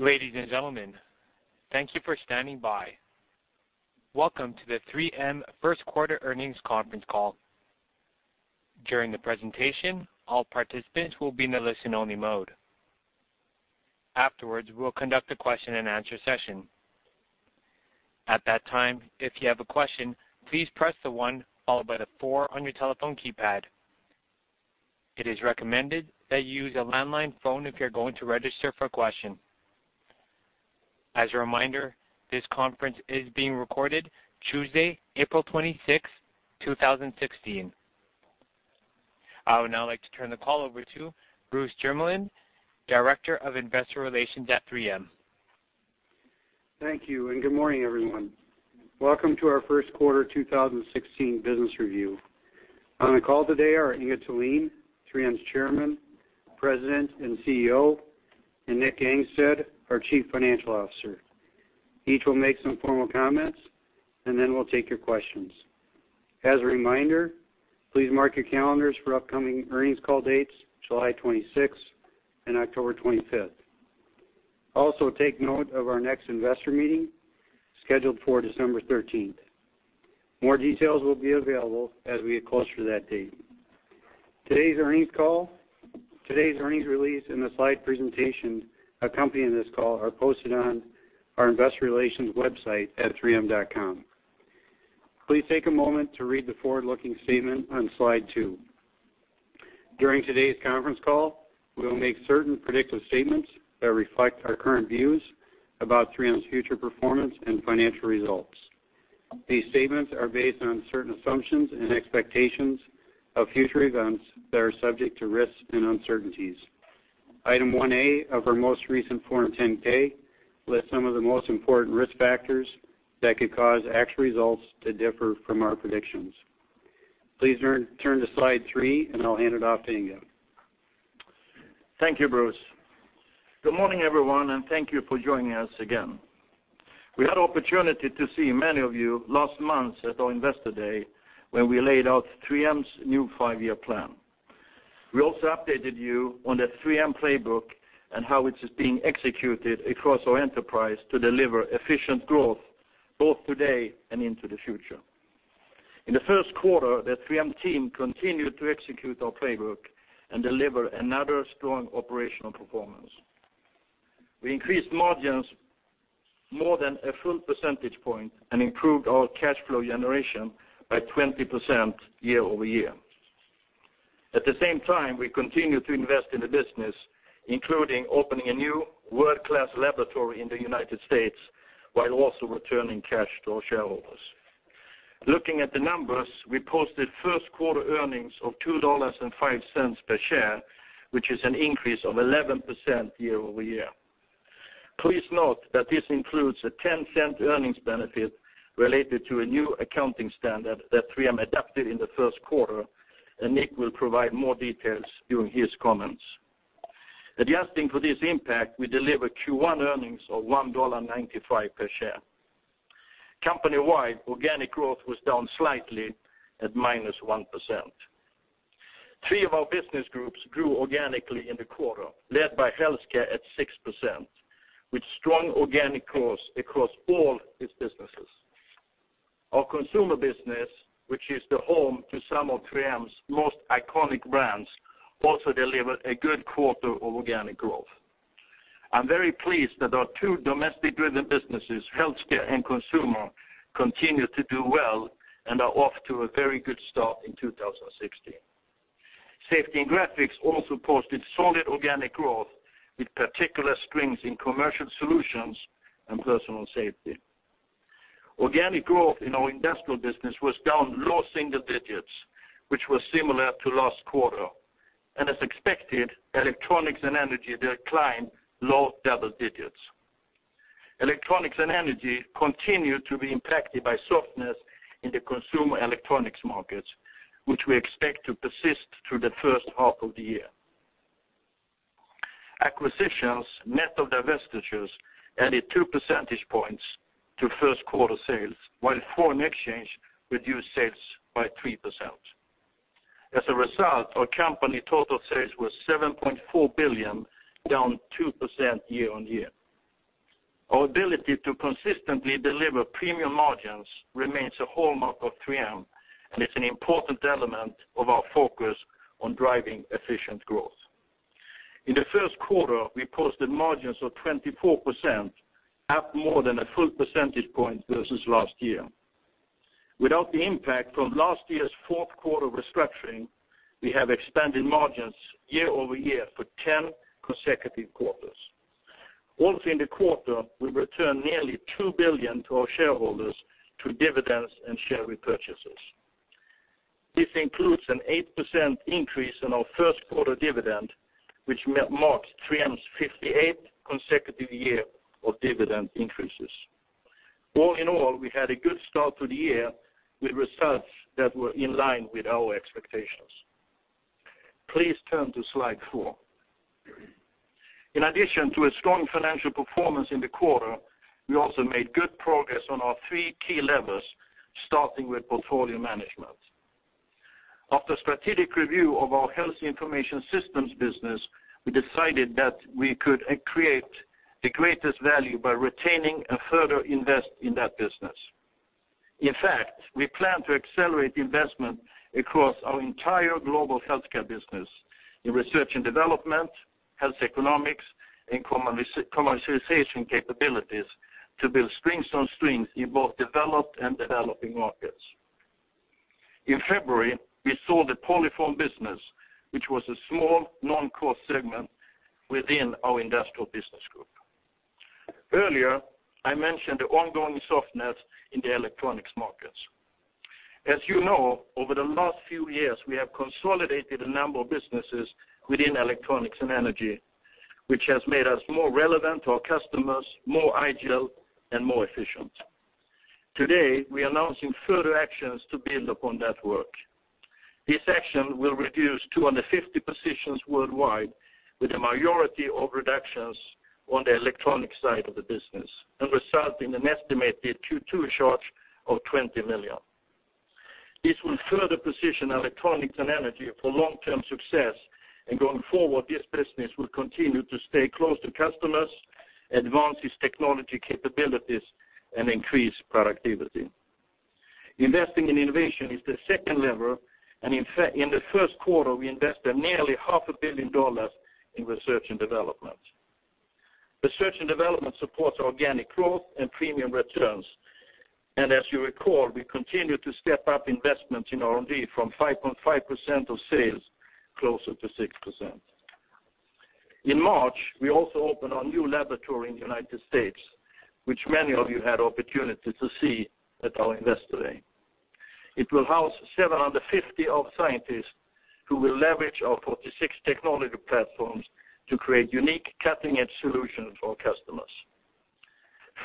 Ladies and gentlemen, thank you for standing by. Welcome to the 3M First Quarter Earnings Conference Call. During the presentation, all participants will be in a listen-only mode. Afterwards, we will conduct a question-and-answer session. At that time, if you have a question, please press the one followed by the four on your telephone keypad. It is recommended that you use a landline phone if you are going to register for a question. As a reminder, this conference is being recorded Tuesday, April 26, 2016. I would now like to turn the call over to Bruce Jermeland, Director of Investor Relations at 3M. Thank you. Good morning, everyone. Welcome to our first quarter 2016 business review. On the call today are Inge Thulin, 3M's Chairman, President, and CEO, and Nick Gangestad, our Chief Financial Officer. Each will make some formal comments, then we will take your questions. As a reminder, please mark your calendars for upcoming earnings call dates July 26 and October 25. Also, take note of our next investor meeting, scheduled for December 13. More details will be available as we get closer to that date. Today's earnings release and the slide presentation accompanying this call are posted on our investor relations website at 3m.com. Please take a moment to read the forward-looking statement on slide two. During today's conference call, we will make certain predictive statements that reflect our current views about 3M's future performance and financial results. These statements are based on certain assumptions and expectations of future events that are subject to risks and uncertainties. Item 1A of our most recent Form 10-K lists some of the most important risk factors that could cause actual results to differ from our predictions. Please turn to slide three. I will hand it off to Inge. Thank you, Bruce. Good morning, everyone. Thank you for joining us again. We had an opportunity to see many of you last month at our Investor Day, when we laid out 3M's new five-year plan. We also updated you on the 3M playbook and how it is being executed across our enterprise to deliver efficient growth, both today and into the future. In the first quarter, the 3M team continued to execute our playbook and deliver another strong operational performance. We increased margins more than a full percentage point and improved our cash flow generation by 20% year-over-year. At the same time, we continued to invest in the business, including opening a new world-class laboratory in the U.S., while also returning cash to our shareholders. Looking at the numbers, we posted first-quarter earnings of $2.05 per share, which is an increase of 11% year-over-year. Please note that this includes a $0.10 earnings benefit related to a new accounting standard that 3M adopted in the first quarter. Nick will provide more details during his comments. Adjusting for this impact, we delivered Q1 earnings of $1.95 per share. Company-wide, organic growth was down slightly at minus 1%. Three of our business groups grew organically in the quarter, led by Health Care at 6%, with strong organic growth across all its businesses. Our Consumer business, which is the home to some of 3M's most iconic brands, also delivered a good quarter of organic growth. I'm very pleased that our two domestic-driven businesses, Health Care and Consumer, continue to do well and are off to a very good start in 2016. Safety and Graphics also posted solid organic growth, with particular strengths in Commercial Solutions and Personal Safety. Organic growth in our Industrial business was down low single digits, which was similar to last quarter. As expected, Electronics and Energy declined low double digits. Electronics and Energy continue to be impacted by softness in the consumer electronics markets, which we expect to persist through the first half of the year. Acquisitions, net of divestitures, added two percentage points to first-quarter sales, while foreign exchange reduced sales by 3%. As a result, our company total sales were $7.4 billion, down 2% year-on-year. Our ability to consistently deliver premium margins remains a hallmark of 3M. It's an important element of our focus on driving efficient growth. In the first quarter, we posted margins of 24%, up more than a full percentage point versus last year. Without the impact from last year's fourth-quarter restructuring, we have expanded margins year-over-year for 10 consecutive quarters. Also in the quarter, we returned nearly $2 billion to our shareholders through dividends and share repurchases. This includes an 8% increase in our first-quarter dividend, which marks 3M's 58th consecutive year of dividend increases. All in all, we had a good start to the year with results that were in line with our expectations. Please turn to slide four. In addition to a strong financial performance in the quarter, we also made good progress on our three key levers, starting with portfolio management. After strategic review of our Health Information Systems business, we decided that we could create the greatest value by retaining and further invest in that business. In fact, we plan to accelerate investment across our entire global Health Care business in R&D, health economics, and commercialization capabilities to build strengths on strengths in both developed and developing markets. In February, we sold the Polyfoam business, which was a small non-core segment within our Industrial business group. Earlier, I mentioned the ongoing softness in the electronics markets. As you know, over the last few years, we have consolidated a number of businesses within Electronics and Energy, which has made us more relevant to our customers, more agile, and more efficient. Today, we are announcing further actions to build upon that work. This action will reduce 250 positions worldwide, with the majority of reductions on the electronic side of the business and result in an estimated Q2 charge of $20 million. This will further position Electronics and Energy for long-term success. Going forward, this business will continue to stay close to customers, advance its technology capabilities, and increase productivity. Investing in innovation is the second lever. In the first quarter, we invested nearly half a billion dollars in research and development. Research and development supports organic growth and premium returns. As you recall, we continue to step up investments in R&D from 5.5% of sales closer to 6%. In March, we also opened our new laboratory in the United States, which many of you had opportunity to see at our Investor Day. It will house 750 of scientists who will leverage our 46 technology platforms to create unique cutting-edge solutions for our customers.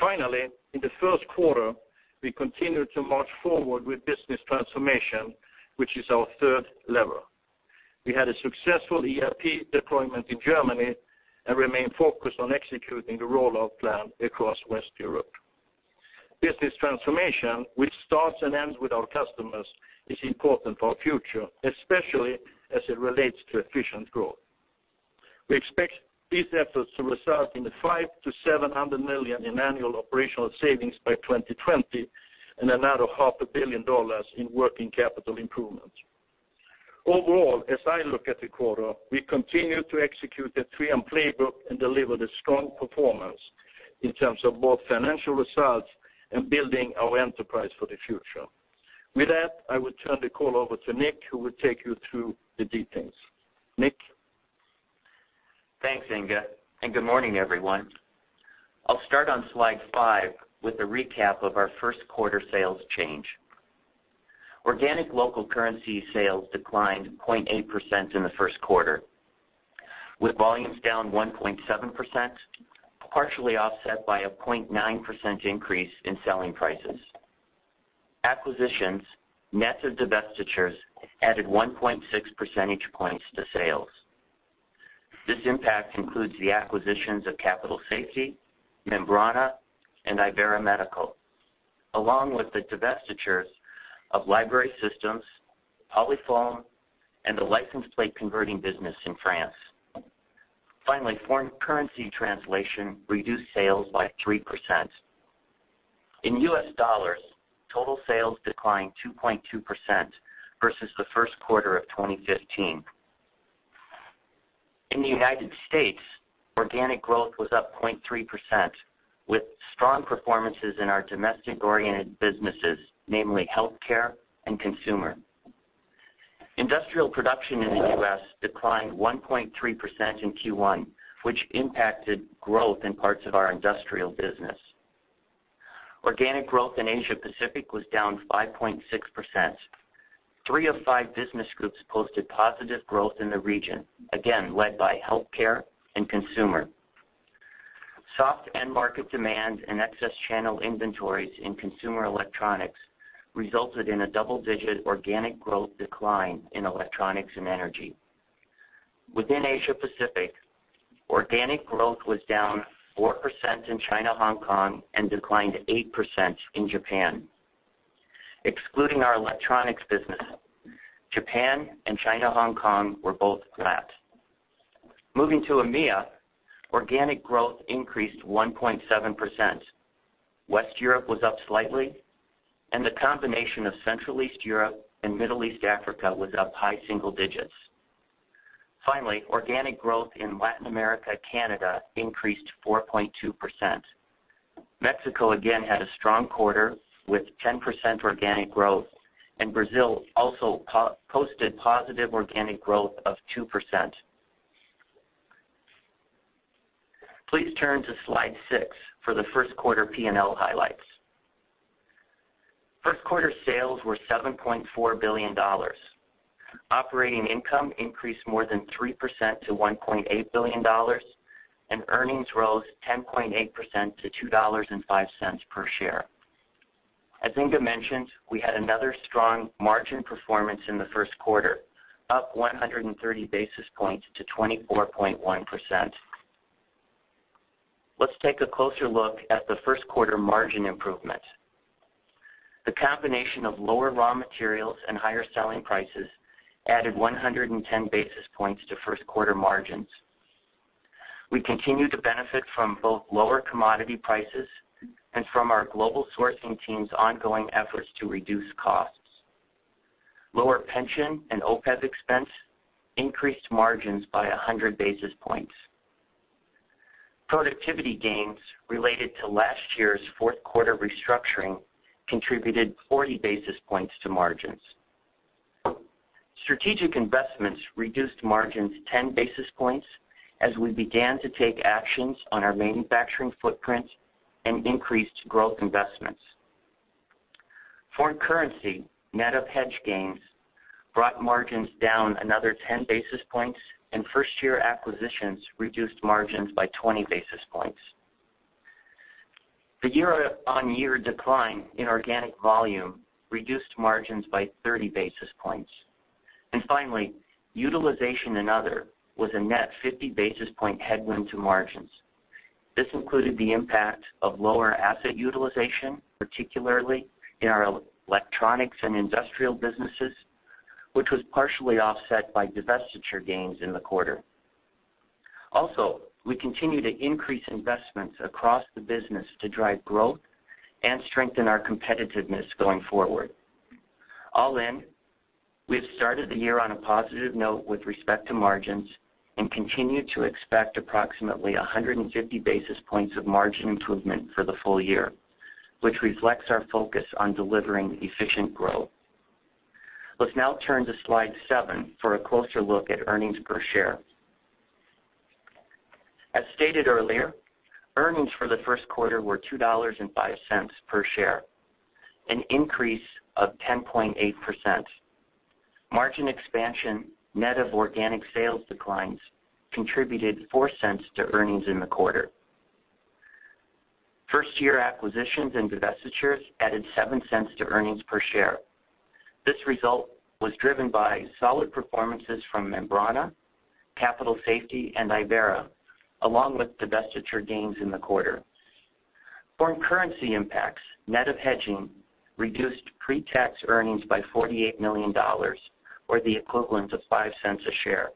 Finally, in the first quarter, we continued to march forward with business transformation, which is our third lever. We had a successful ERP deployment in Germany and remain focused on executing the rollout plan across West Europe. Business transformation, which starts and ends with our customers, is important for our future, especially as it relates to efficient growth. We expect these efforts to result in $500 million-$700 million in annual operational savings by 2020 and another half a billion dollars in working capital improvements. Overall, as I look at the quarter, we continue to execute the 3M playbook and deliver the strong performance in terms of both financial results and building our enterprise for the future. With that, I will turn the call over to Nick, who will take you through the details. Nick? Thanks, Inge. Good morning, everyone. I'll start on slide five with a recap of our first quarter sales change. Organic local currency sales declined 0.8% in the first quarter, with volumes down 1.7%, partially offset by a 0.9% increase in selling prices. Acquisitions, net of divestitures, added 1.6 percentage points to sales. This impact includes the acquisitions of Capital Safety, Membrana, and Ivera Medical, along with the divestitures of Library Systems, Polyfoam, and the license plate converting business in France. Finally, foreign currency translation reduced sales by 3%. In U.S. dollars, total sales declined 2.2% versus the first quarter of 2015. In the United States, organic growth was up 0.3%, with strong performances in our domestic-oriented businesses, namely Health Care and Consumer. Industrial production in the U.S. declined 1.3% in Q1, which impacted growth in parts of our industrial business. Organic growth in Asia Pacific was down 5.6%. Three of five business groups posted positive growth in the region, again, led by Health Care and Consumer. Soft end market demand and excess channel inventories in consumer electronics resulted in a double-digit organic growth decline in Electronics and Energy. Within Asia Pacific, organic growth was down 4% in China, Hong Kong, and declined 8% in Japan. Excluding our Electronics business, Japan and China, Hong Kong were both flat. Moving to EMEA, organic growth increased 1.7%. West Europe was up slightly, and the combination of Central East Europe and Middle East Africa was up high single digits. Finally, organic growth in Latin America, Canada increased 4.2%. Mexico again had a strong quarter with 10% organic growth, and Brazil also posted positive organic growth of 2%. Please turn to slide six for the first quarter P&L highlights. First quarter sales were $7.4 billion. Operating income increased more than 3% to $1.8 billion, and earnings rose 10.8% to $2.05 per share. As Inge mentioned, we had another strong margin performance in the first quarter, up 130 basis points to 24.1%. Let's take a closer look at the first quarter margin improvements. The combination of lower raw materials and higher selling prices added 110 basis points to first quarter margins. We continue to benefit from both lower commodity prices and from our global sourcing team's ongoing efforts to reduce costs. Lower pension and OPEB expense increased margins by 100 basis points. Productivity gains related to last year's fourth quarter restructuring contributed 40 basis points to margins. Strategic investments reduced margins 10 basis points as we began to take actions on our manufacturing footprint and increased growth investments. Foreign currency net of hedge gains brought margins down another 10 basis points, and first year acquisitions reduced margins by 20 basis points. The year-on-year decline in organic volume reduced margins by 30 basis points. Finally, utilization and other was a net 50 basis point headwind to margins. This included the impact of lower asset utilization, particularly in our electronics and industrial businesses, which was partially offset by divestiture gains in the quarter. We continue to increase investments across the business to drive growth and strengthen our competitiveness going forward. All in, we have started the year on a positive note with respect to margins and continue to expect approximately 150 basis points of margin improvement for the full year, which reflects our focus on delivering efficient growth. Let's now turn to slide seven for a closer look at earnings per share. As stated earlier, earnings for the first quarter were $2.05 per share, an increase of 10.8%. Margin expansion net of organic sales declines contributed $0.04 to earnings in the quarter. First year acquisitions and divestitures added $0.07 to earnings per share. This result was driven by solid performances from Membrana, Capital Safety, and Ivera, along with divestiture gains in the quarter. Foreign currency impacts, net of hedging, reduced pre-tax earnings by $48 million, or the equivalent of $0.05 a share.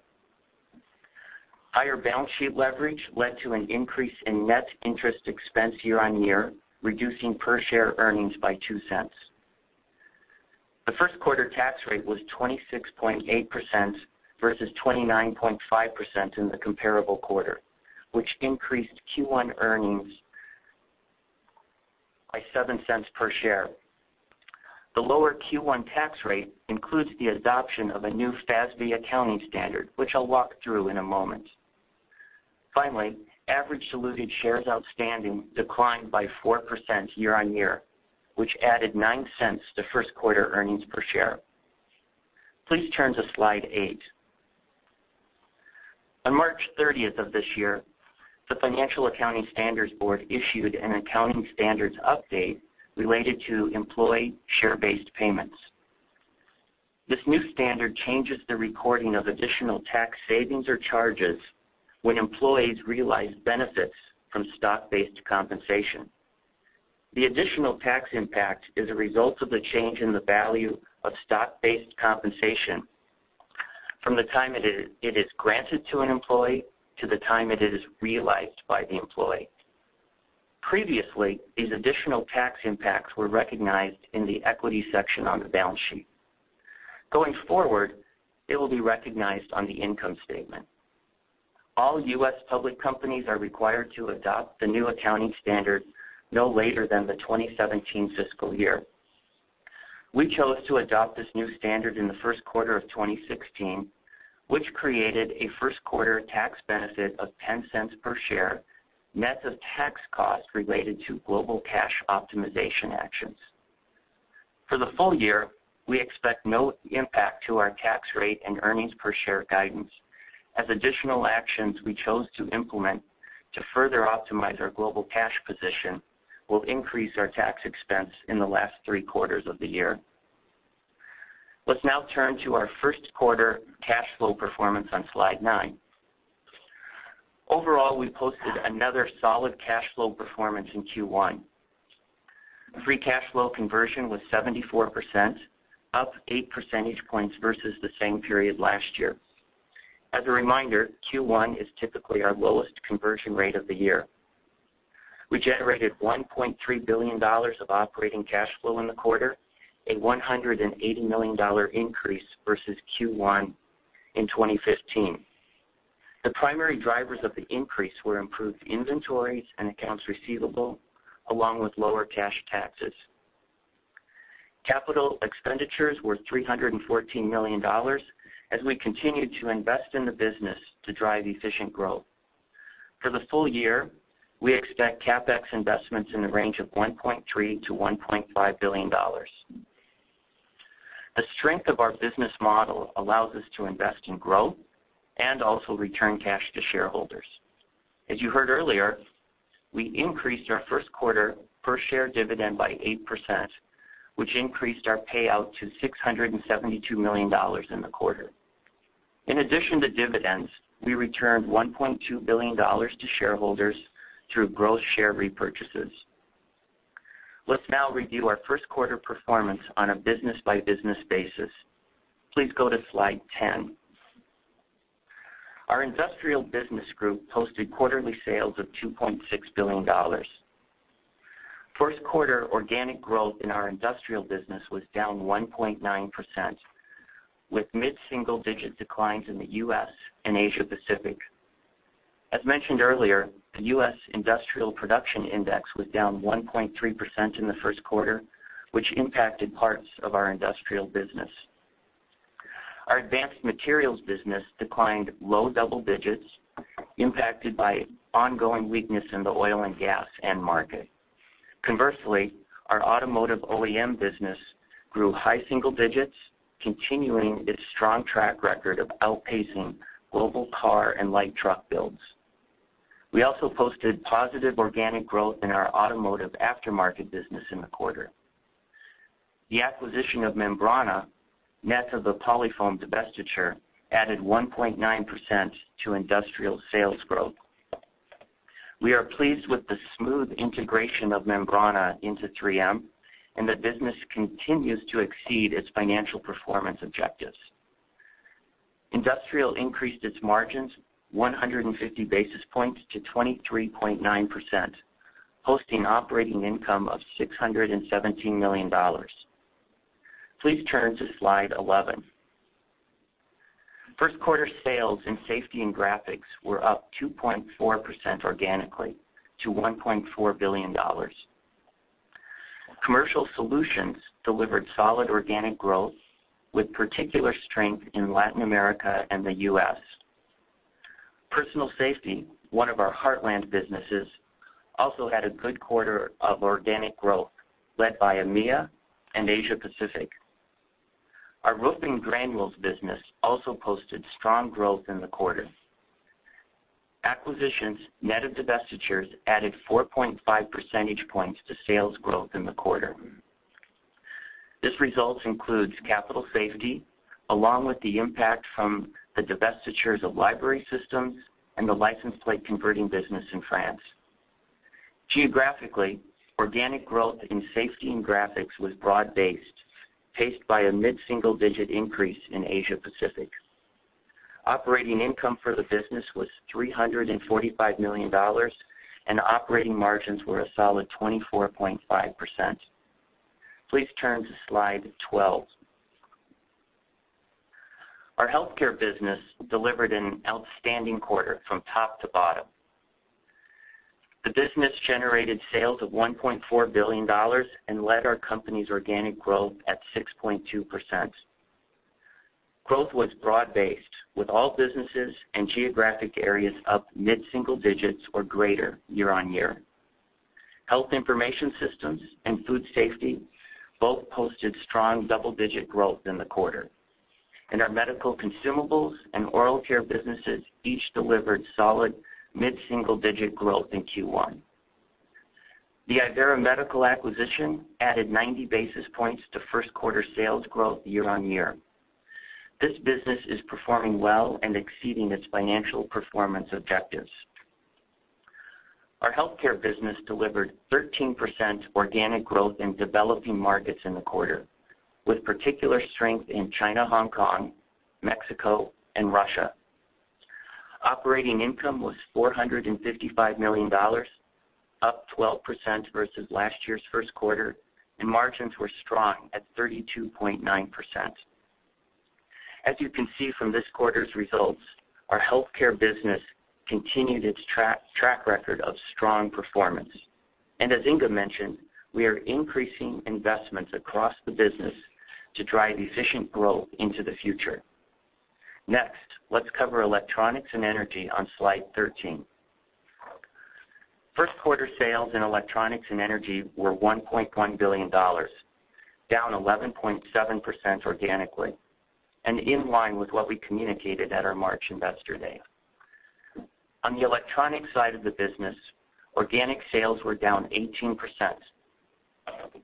Higher balance sheet leverage led to an increase in net interest expense year-on-year, reducing per share earnings by $0.02. The first quarter tax rate was 26.8% versus 29.5% in the comparable quarter, which increased Q1 earnings by $0.07 per share. The lower Q1 tax rate includes the adoption of a new FASB accounting standard, which I'll walk through in a moment. Finally, average diluted shares outstanding declined by 4% year-on-year, which added $0.09 to first quarter earnings per share. Please turn to slide eight. On March 30th of this year, the Financial Accounting Standards Board issued an accounting standards update related to employee share-based payments. This new standard changes the recording of additional tax savings or charges when employees realize benefits from stock-based compensation. The additional tax impact is a result of the change in the value of stock-based compensation from the time it is granted to an employee to the time it is realized by the employee. Previously, these additional tax impacts were recognized in the equity section on the balance sheet. Going forward, it will be recognized on the income statement. All U.S. public companies are required to adopt the new accounting standard no later than the 2017 fiscal year. We chose to adopt this new standard in the first quarter of 2016, which created a first quarter tax benefit of $0.10 per share, net of tax costs related to global cash optimization actions. For the full year, we expect no impact to our tax rate and earnings per share guidance as additional actions we chose to implement to further optimize our global cash position will increase our tax expense in the last three quarters of the year. Let's now turn to our first quarter cash flow performance on slide nine. Overall, we posted another solid cash flow performance in Q1. Free cash flow conversion was 74%, up eight percentage points versus the same period last year. As a reminder, Q1 is typically our lowest conversion rate of the year. We generated $1.3 billion of operating cash flow in the quarter, a $180 million increase versus Q1 in 2015. The primary drivers of the increase were improved inventories and accounts receivable, along with lower cash taxes. Capital expenditures were $314 million as we continued to invest in the business to drive efficient growth. For the full year, we expect CapEx investments in the range of $1.3 billion-$1.5 billion. The strength of our business model allows us to invest in growth and also return cash to shareholders. As you heard earlier, we increased our first quarter per share dividend by 8%, which increased our payout to $672 million in the quarter. In addition to dividends, we returned $1.2 billion to shareholders through gross share repurchases. Let's now review our first quarter performance on a business-by-business basis. Please go to slide 10. Our Industrial Business group posted quarterly sales of $2.6 billion. First quarter organic growth in our Industrial business was down 1.9%, with mid-single digit declines in the U.S. and Asia Pacific. As mentioned earlier, the U.S. Industrial Production Index was down 1.3% in the first quarter, which impacted parts of our Industrial business. Our Advanced Materials business declined low double digits, impacted by ongoing weakness in the oil and gas end market. Conversely, our Automotive OEM business grew high single digits, continuing its strong track record of outpacing global car and light truck builds. We also posted positive organic growth in our Automotive Aftermarket business in the quarter. The acquisition of Membrana, net of the Polyfoam divestiture, added 1.9% to Industrial sales growth. We are pleased with the smooth integration of Membrana into 3M, and the business continues to exceed its financial performance objectives. Industrial increased its margins 150 basis points to 23.9%, posting operating income of $617 million. Please turn to slide 11. First quarter sales in Safety and Graphics were up 2.4% organically to $1.4 billion. Commercial Solutions delivered solid organic growth, with particular strength in Latin America and the U.S. Personal Safety, one of our Heartland businesses, also had a good quarter of organic growth, led by EMEA and Asia Pacific. Our Roofing Granules business also posted strong growth in the quarter. Acquisitions, net of divestitures, added 4.5 percentage points to sales growth in the quarter. This result includes Capital Safety, along with the impact from the divestitures of Library Systems and the license plate converting business in France. Geographically, organic growth in Safety and Graphics was broad based, paced by a mid-single digit increase in Asia Pacific. Operating income for the business was $345 million, and operating margins were a solid 24.5%. Please turn to slide 12. Our Healthcare business delivered an outstanding quarter from top to bottom. The business generated sales of $1.4 billion and led our company's organic growth at 6.2%. Growth was broad-based, with all businesses and geographic areas up mid-single-digits or greater year-on-year. Health Information Systems and Food Safety both posted strong double-digit growth in the quarter, and our Medical Consumables and Oral Care businesses each delivered solid mid-single-digit growth in Q1. The Ivera Medical acquisition added 90 basis points to first quarter sales growth year-on-year. This business is performing well and exceeding its financial performance objectives. Our Healthcare business delivered 13% organic growth in developing markets in the quarter, with particular strength in China, Hong Kong, Mexico, and Russia. Operating income was $455 million, up 12% versus last year's first quarter, and margins were strong at 32.9%. As you can see from this quarter's results, our Healthcare business continued its track record of strong performance. As Inge mentioned, we are increasing investments across the business to drive efficient growth into the future. Next, let's cover Electronics and Energy on slide 13. First quarter sales in Electronics and Energy were $1.1 billion, down 11.7% organically, and in line with what we communicated at our March Investor Day. On the electronics side of the business, organic sales were down 18%.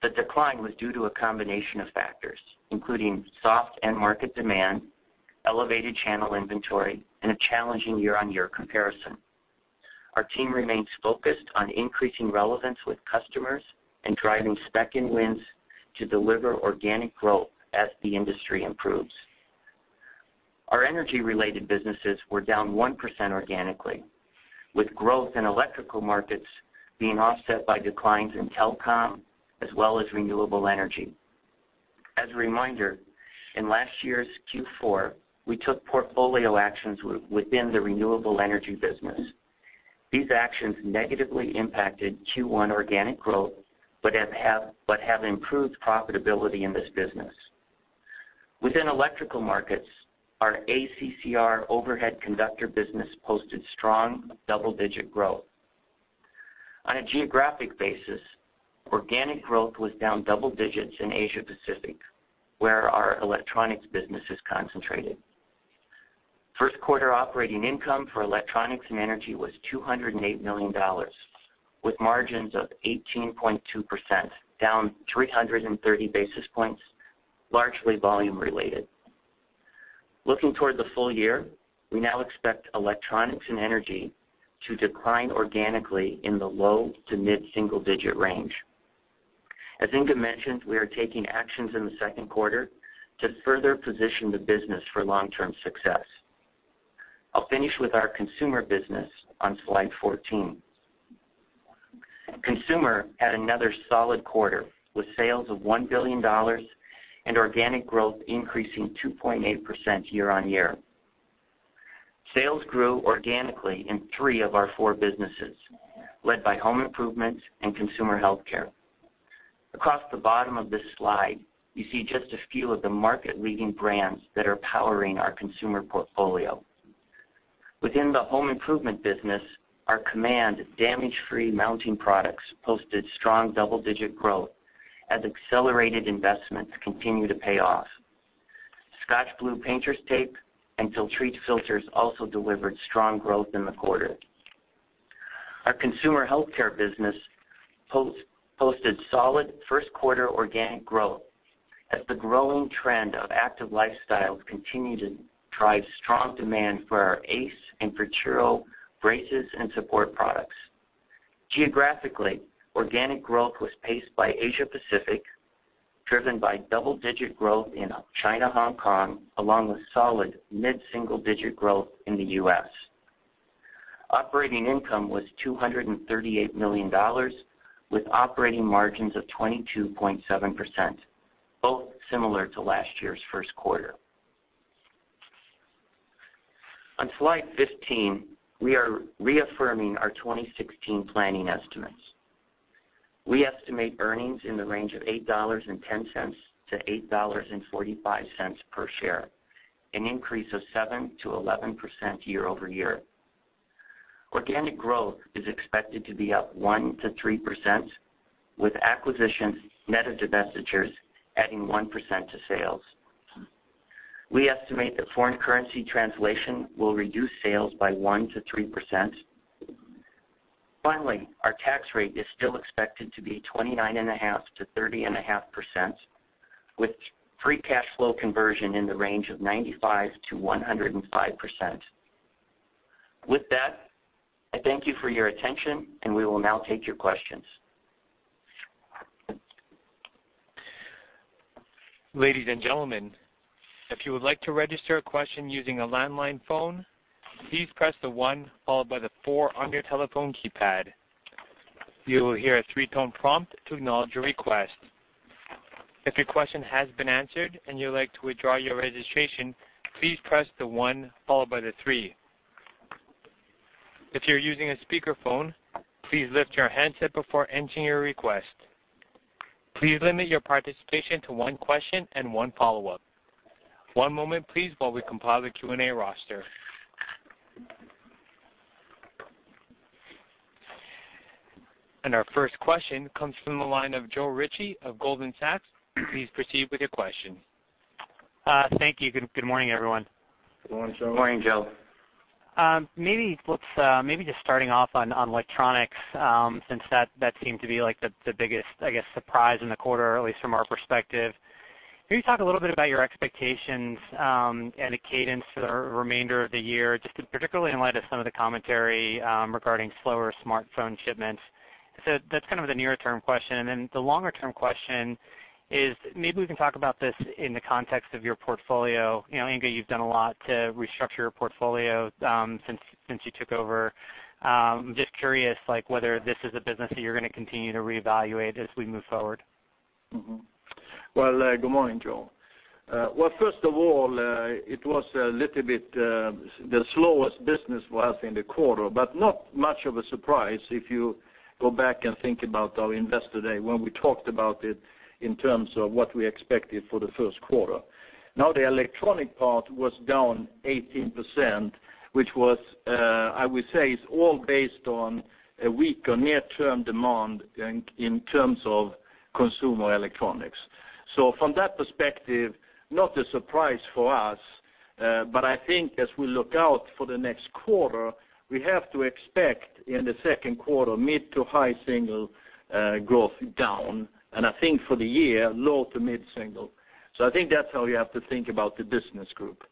The decline was due to a combination of factors, including soft end market demand, elevated channel inventory, and a challenging year-on-year comparison. Our team remains focused on increasing relevance with customers and driving spec-in wins to deliver organic growth as the industry improves. Our energy-related businesses were down 1% organically, with growth in electrical markets being offset by declines in telecom as well as renewable energy. As a reminder, in last year's Q4, we took portfolio actions within the renewable energy business. These actions negatively impacted Q1 organic growth, but have improved profitability in this business. Within electrical markets, our ACCR overhead conductor business posted strong double-digit growth. On a geographic basis, organic growth was down double-digits in Asia Pacific, where our electronics business is concentrated. First quarter operating income for Electronics and Energy was $208 million. With margins of 18.2%, down 330 basis points, largely volume related. Looking toward the full year, we now expect Electronics and Energy to decline organically in the low-to-mid-single-digit range. As Inge mentioned, we are taking actions in the second quarter to further position the business for long-term success. I'll finish with our Consumer business on slide 14. Consumer had another solid quarter, with sales of $1 billion and organic growth increasing 2.8% year-on-year. Sales grew organically in three of our four businesses, led by Home Improvement and Consumer Healthcare. Across the bottom of this slide, you see just a few of the market-leading brands that are powering our consumer portfolio. Within the Home Improvement business, our Command damage-free mounting products posted strong double-digit growth as accelerated investments continue to pay off. ScotchBlue painter's tape and Filtrete filters also delivered strong growth in the quarter. Our Consumer Healthcare business posted solid first quarter organic growth as the growing trend of active lifestyles continue to drive strong demand for our ACE and Futuro braces and support products. Geographically, organic growth was paced by Asia Pacific, driven by double-digit growth in China, Hong Kong, along with solid mid-single-digit growth in the U.S. Operating income was $238 million, with operating margins of 22.7%, both similar to last year's first quarter. On slide 15, we are reaffirming our 2016 planning estimates. We estimate earnings in the range of $8.10 to $8.45 per share, an increase of 7% to 11% year-over-year. Organic growth is expected to be up 1% to 3%, with acquisitions net of divestitures adding 1% to sales. We estimate that foreign currency translation will reduce sales by 1% to 3%. Finally, our tax rate is still expected to be 29.5% to 30.5%, with free cash flow conversion in the range of 95% to 105%. With that, I thank you for your attention, and we will now take your questions. Ladies and gentlemen, if you would like to register a question using a landline phone, please press the one followed by the four on your telephone keypad. You will hear a three-tone prompt to acknowledge your request. If your question has been answered and you would like to withdraw your registration, please press the one followed by the three. If you're using a speakerphone, please lift your handset before entering your request. Please limit your participation to one question and one follow-up. One moment, please, while we compile the Q&A roster. Our first question comes from the line of Joe Ritchie of Goldman Sachs. Please proceed with your question. Thank you. Good morning, everyone. Good morning, Joe. Good morning, Joe. Maybe just starting off on electronics, since that seemed to be the biggest, I guess, surprise in the quarter, at least from our perspective. Can you talk a little bit about your expectations and the cadence for the remainder of the year, just particularly in light of some of the commentary regarding slower smartphone shipments? That's the near-term question. The longer-term question is, maybe we can talk about this in the context of your portfolio. Inge, you've done a lot to restructure your portfolio since you took over. I'm just curious whether this is a business that you're going to continue to reevaluate as we move forward. Well, good morning, Joe. Well, first of all, it was the slowest business for us in the quarter, but not much of a surprise if you go back and think about our Investor Day when we talked about it in terms of what we expected for the first quarter. The electronic part was down 18%, which I would say is all based on a weaker near-term demand in terms of consumer electronics. From that perspective, not a surprise for us. I think as we look out for the next quarter, we have to expect in the second quarter mid to high single growth down, and I think for the year, low to mid single. I think that's how you have to think about the business group.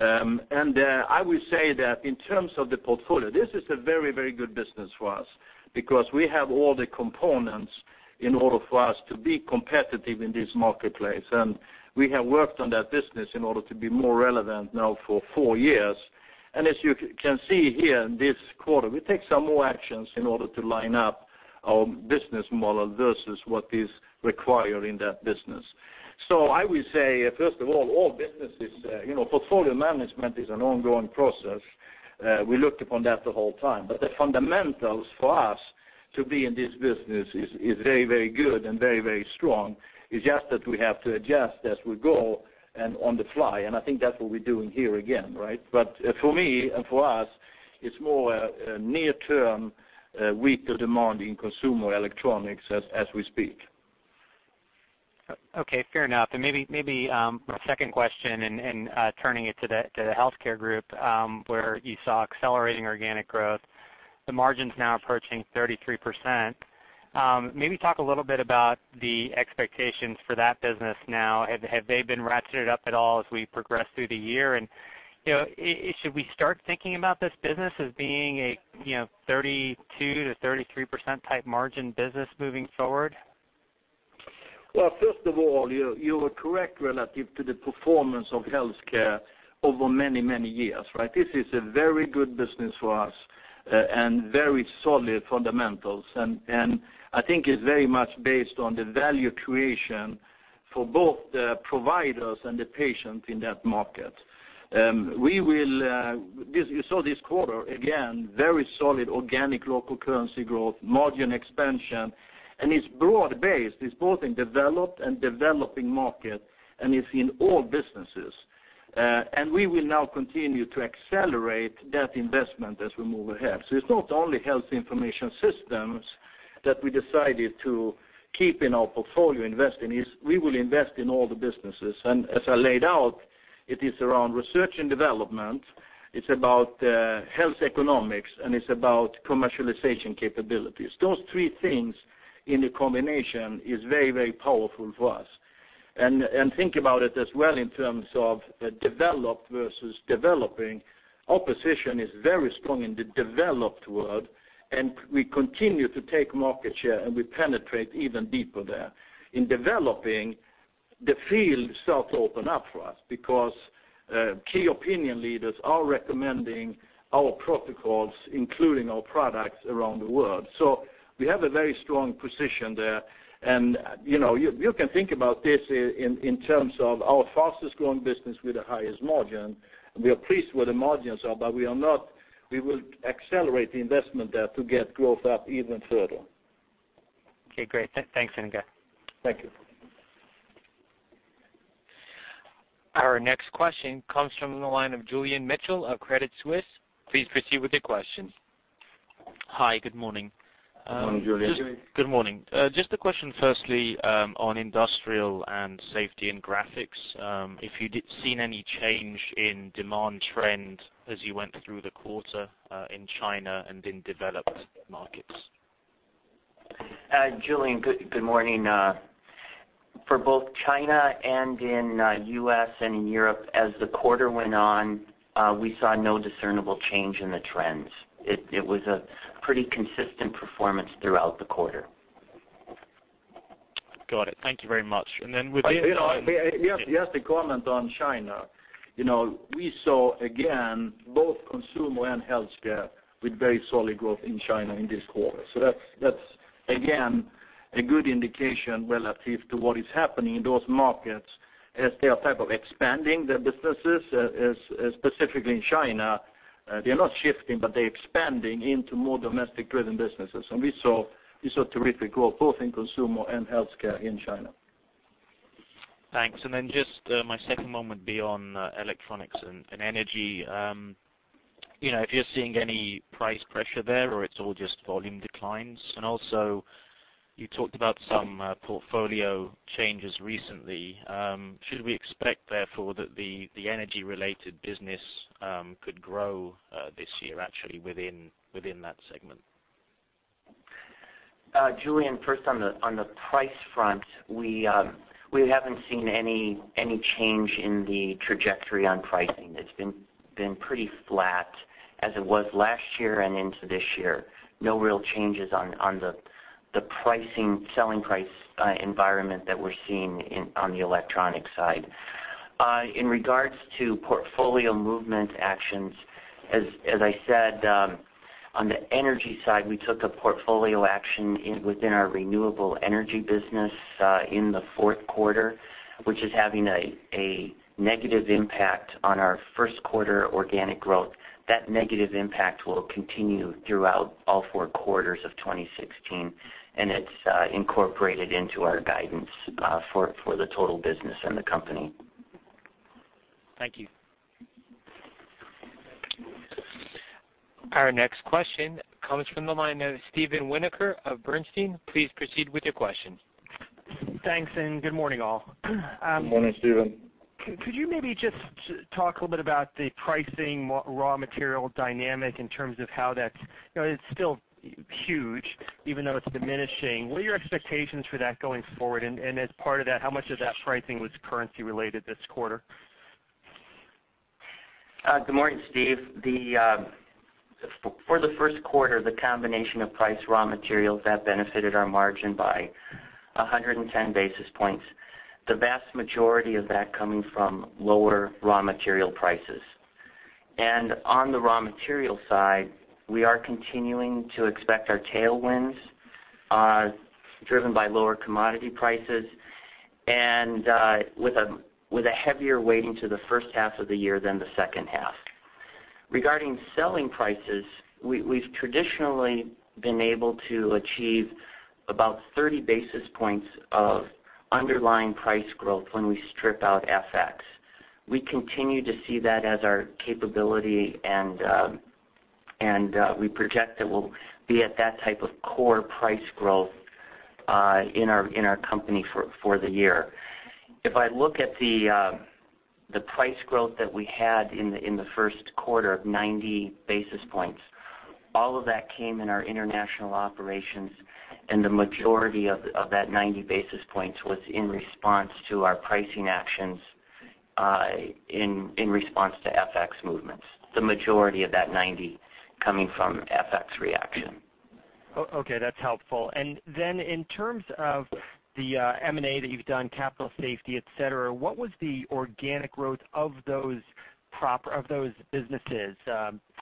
I would say that in terms of the portfolio, this is a very good business for us because we have all the components in order for us to be competitive in this marketplace, and we have worked on that business in order to be more relevant now for four years. As you can see here in this quarter, we take some more actions in order to line up our business model versus what is required in that business. I would say, first of all, portfolio management is an ongoing process. We looked upon that the whole time. The fundamentals for us to be in this business is very good and very strong. It's just that we have to adjust as we go and on the fly, and I think that's what we're doing here again, right? For me, and for us, it's more a near-term weaker demand in consumer electronics as we speak. Okay, fair enough. Maybe a second question and turning it to the Health Care group, where you saw accelerating organic growth. The margin's now approaching 33%. Maybe talk a little bit about the expectations for that business now. Have they been ratcheted up at all as we progress through the year? Should we start thinking about this business as being a 32%-33%-type margin business moving forward? Well, first of all, you are correct relative to the performance of healthcare over many, many years, right? This is a very good business for us and very solid fundamentals. I think it's very much based on the value creation for both the providers and the patient in that market. You saw this quarter, again, very solid organic local currency growth, margin expansion, and it's broad-based. It's both in developed and developing market, and it's in all businesses. We will now continue to accelerate that investment as we move ahead. So it's not only Health Information Systems that we decided to keep in our portfolio, invest in. We will invest in all the businesses. As I laid out, it is around research and development, it's about health economics, and it's about commercialization capabilities. Those three things in the combination is very powerful for us. Think about it as well in terms of developed versus developing. Our position is very strong in the developed world, and we continue to take market share, and we penetrate even deeper there. In developing, the field starts to open up for us because key opinion leaders are recommending our protocols, including our products around the world. We have a very strong position there. You can think about this in terms of our fastest growing business with the highest margin. We are pleased where the margins are, but we will accelerate the investment there to get growth up even further. Okay, great. Thanks, Inge. Thank you. Our next question comes from the line of Julian Mitchell of Credit Suisse. Please proceed with your question. Hi, good morning. Good morning, Julian. Good morning. Just a question firstly, on Industrial and Safety and Graphics. If you did seen any change in demand trend as you went through the quarter, in China and in developed markets. Julian, good morning. For both China and in U.S. and in Europe, as the quarter went on, we saw no discernible change in the trends. It was a pretty consistent performance throughout the quarter. Got it. Thank you very much. Just a comment on China. We saw, again, both Consumer and Healthcare with very solid growth in China in this quarter. That's, again, a good indication relative to what is happening in those markets as they are type of expanding their businesses, specifically in China. They're not shifting, but they're expanding into more domestic-driven businesses. We saw terrific growth both in Consumer and Healthcare in China. Thanks. Just my second one would be on Electronics and Energy. If you're seeing any price pressure there or it's all just volume declines? You talked about some portfolio changes recently. Should we expect, therefore, that the energy-related business could grow this year actually within that segment? Julian, first on the price front, we haven't seen any change in the trajectory on pricing. It's been pretty flat as it was last year and into this year. No real changes on the selling price environment that we're seeing on the electronic side. In regards to portfolio movement actions, as I said, on the energy side, we took a portfolio action within our renewable energy business, in Q4, which is having a negative impact on our Q1 organic growth. That negative impact will continue throughout all four quarters of 2016, and it's incorporated into our guidance for the total business and the company. Thank you. Our next question comes from the line of Steven Winoker of Bernstein. Please proceed with your question. Thanks, good morning, all. Good morning, Steven. Could you maybe just talk a little bit about the pricing raw material dynamic in terms of how it's still huge, even though it's diminishing. What are your expectations for that going forward? As part of that, how much of that pricing was currency related this quarter? Good morning, Steve. For the first quarter, the combination of price raw materials that benefited our margin by 110 basis points. The vast majority of that coming from lower raw material prices. On the raw material side, we are continuing to expect our tailwinds driven by lower commodity prices and with a heavier weighting to the first half of the year than the second half. Regarding selling prices, we've traditionally been able to achieve about 30 basis points of underlying price growth when we strip out FX. We continue to see that as our capability. We project that we'll be at that type of core price growth in our company for the year. If I look at the price growth that we had in the first quarter of 90 basis points, all of that came in our international operations, and the majority of that 90 basis points was in response to our pricing actions in response to FX movements. The majority of that 90 coming from FX reaction. Okay. That's helpful. In terms of the M&A that you've done, Capital Safety, et cetera, what was the organic growth of those businesses?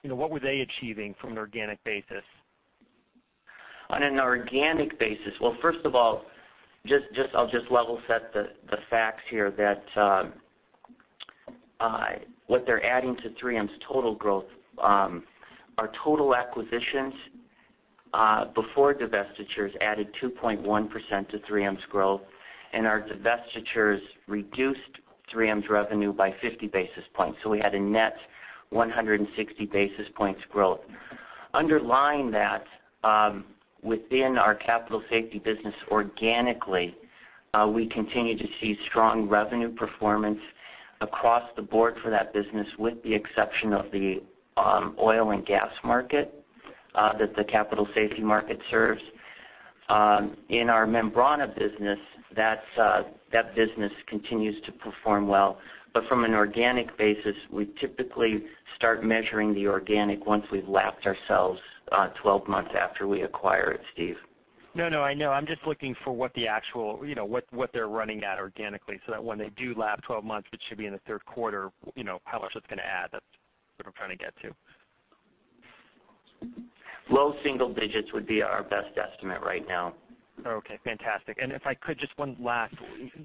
What were they achieving from an organic basis? On an organic basis, well, first of all, I'll just level set the facts here that what they're adding to 3M's total growth, our total acquisitions before divestitures added 2.1% to 3M's growth, and our divestitures reduced 3M's revenue by 50 basis points. We had a net 160 basis points growth. Underlying that, within our Capital Safety business organically, we continue to see strong revenue performance across the board for that business, with the exception of the oil and gas market that the Capital Safety market serves. In our Membrana business, that business continues to perform well. From an organic basis, we typically start measuring the organic once we've lapped ourselves 12 months after we acquire it, Steve. No, I know. I'm just looking for what they're running at organically, so that when they do lap 12 months, which should be in the third quarter, how much that's going to add. That's what I'm trying to get to. Low single digits would be our best estimate right now. Okay, fantastic. If I could, just one last.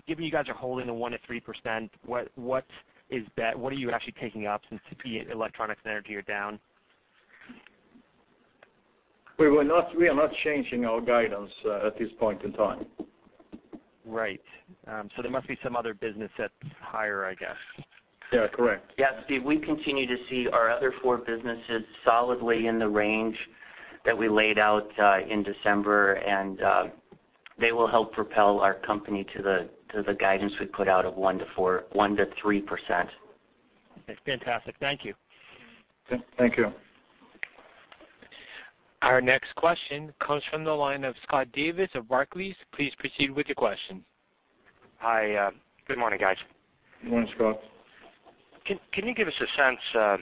Given you guys are holding to 1%-3%, what are you actually taking up since Electronics and Energy are down? We are not changing our guidance at this point in time. Right. There must be some other business that's higher, I guess. Yeah, correct. Yeah, Steve, we continue to see our other four businesses solidly in the range that we laid out in December, and they will help propel our company to the guidance we put out of 1%-3%. Fantastic. Thank you. Thank you. Our next question comes from the line of Scott Davis of Barclays. Please proceed with your question. Hi. Good morning, guys. Good morning, Scott. Can you give us a sense, I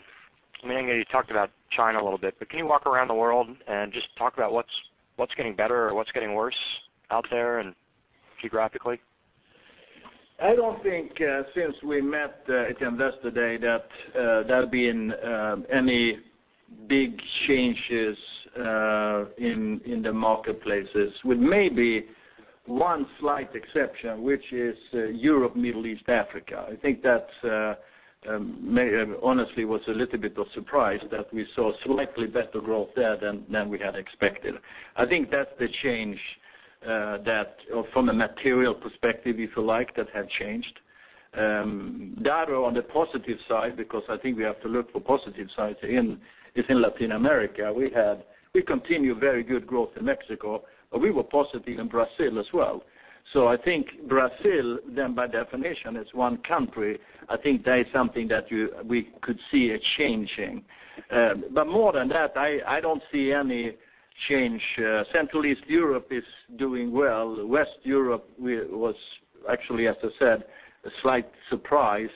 know you talked about China a little bit, but can you walk around the world and just talk about what's getting better or what's getting worse out there geographically? I don't think since we met at Investor Day that there have been any big changes in the marketplaces, with maybe one slight exception, which is Europe, Middle East, Africa. I think that honestly was a little bit of surprise that we saw slightly better growth there than we had expected. I think that's the change that from a material perspective, if you like, that have changed. The other on the positive side, because I think we have to look for positive sides in Latin America, we continue very good growth in Mexico, but we were positive in Brazil as well. I think Brazil then by definition is one country. I think that is something that we could see it changing. More than that, I don't see any change. Central East Europe is doing well. West Europe was actually, as I said, a slight surprise.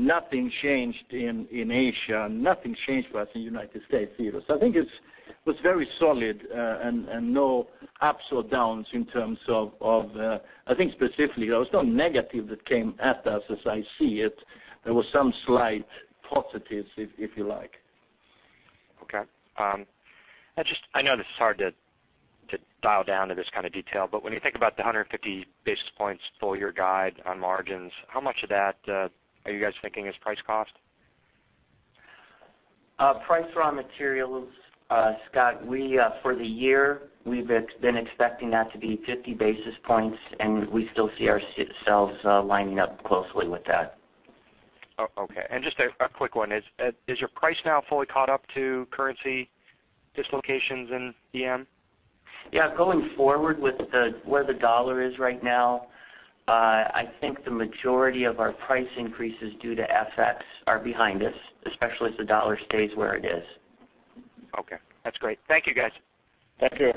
Nothing changed in Asia. Nothing changed for us in U.S. either. I think it was very solid and no ups or downs in terms of, I think specifically, there was no negative that came at us as I see it. There were some slight positives, if you like. Okay. I know this is hard to dial down to this kind of detail, but when you think about the 150 basis points full year guide on margins, how much of that are you guys thinking is price cost? Price raw materials, Scott, for the year, we've been expecting that to be 50 basis points, and we still see ourselves lining up closely with that. Okay. Just a quick one. Is your price now fully caught up to currency dislocations in EM? Yeah. Going forward with where the dollar is right now, I think the majority of our price increases due to FX are behind us, especially if the dollar stays where it is. Okay. That's great. Thank you, guys. Thank you.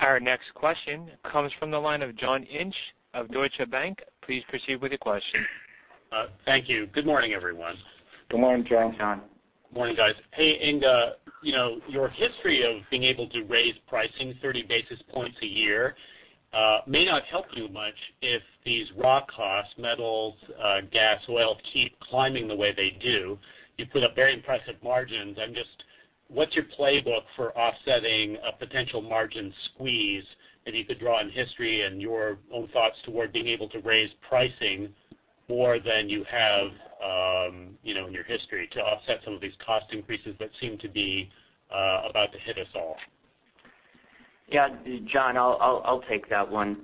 Our next question comes from the line of John Inch of Deutsche Bank. Please proceed with your question. Thank you. Good morning, everyone. Good morning, John. John. Good morning, guys. Hey, Inge. Your history of being able to raise pricing 30 basis points a year may not help you much if these raw costs, metals, gas, oil, keep climbing the way they do. You put up very impressive margins. What's your playbook for offsetting a potential margin squeeze? You could draw on history and your own thoughts toward being able to raise pricing more than you have in your history to offset some of these cost increases that seem to be about to hit us all. John, I'll take that one.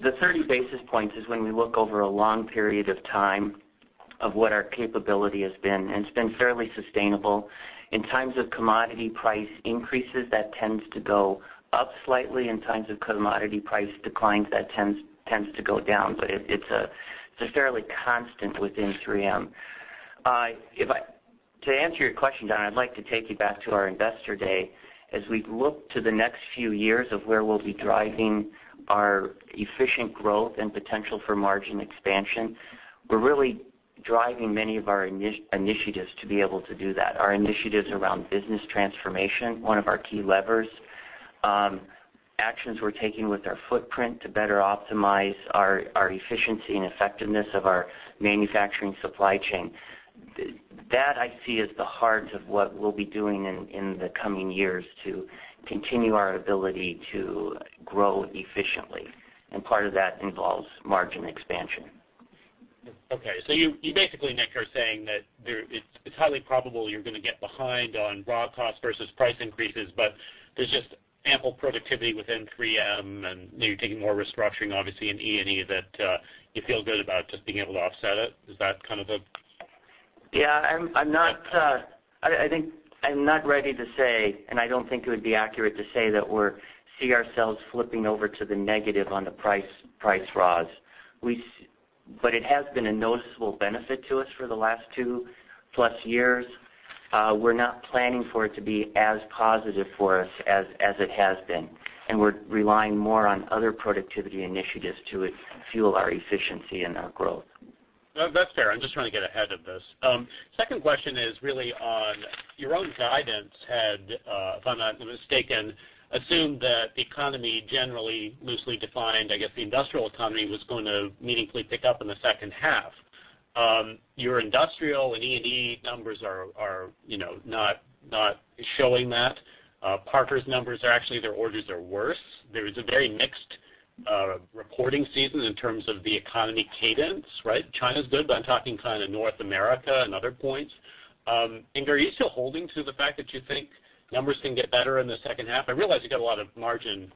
The 30 basis points is when we look over a long period of time of what our capability has been, it's been fairly sustainable. In times of commodity price increases, that tends to go up slightly. In times of commodity price declines, that tends to go down. It's fairly constant within 3M. To answer your question, John, I'd like to take you back to our investor day. As we look to the next few years of where we'll be driving our efficient growth and potential for margin expansion, we're really driving many of our initiatives to be able to do that. Our initiatives around business transformation, one of our key levers, actions we're taking with our footprint to better optimize our efficiency and effectiveness of our manufacturing supply chain. That I see as the heart of what we'll be doing in the coming years to continue our ability to grow efficiently, part of that involves margin expansion. You basically, Nick, are saying that it's highly probable you're going to get behind on raw costs versus price increases, there's just ample productivity within 3M, you're taking more restructuring, obviously, in E&E that you feel good about just being able to offset it. Is that kind of it? Yeah. I think I'm not ready to say, I don't think it would be accurate to say that we see ourselves flipping over to the negative on the price raws. It has been a noticeable benefit to us for the last 2+ years. We're not planning for it to be as positive for us as it has been, and we're relying more on other productivity initiatives to fuel our efficiency and our growth. That's fair. I'm just trying to get ahead of this. Second question is really on your own guidance had, if I'm not mistaken, assumed that the economy generally loosely defined, I guess the industrial economy, was going to meaningfully pick up in the second half. Your Industrial and E&E numbers are not showing that. Parker's numbers are actually, their orders are worse. There is a very mixed reporting season in terms of the economy cadence, right? China's good, I'm talking kind of North America and other points. Inge, are you still holding to the fact that you think numbers can get better in the second half? I realize you got a lot of margin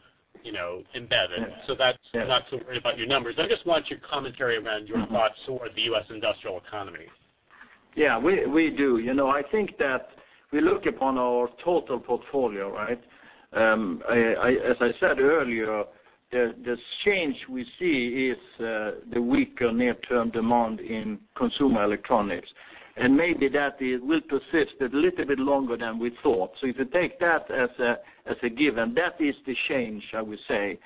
embedded, that's not so worried about your numbers. I just want your commentary around your thoughts toward the U.S. industrial economy. Yeah, we do. I think that we look upon our total portfolio, right? As I said earlier, the change we see is the weaker near-term demand in consumer electronics. Maybe that will persist a little bit longer than we thought. If you take that as a given, that is the change, I would say.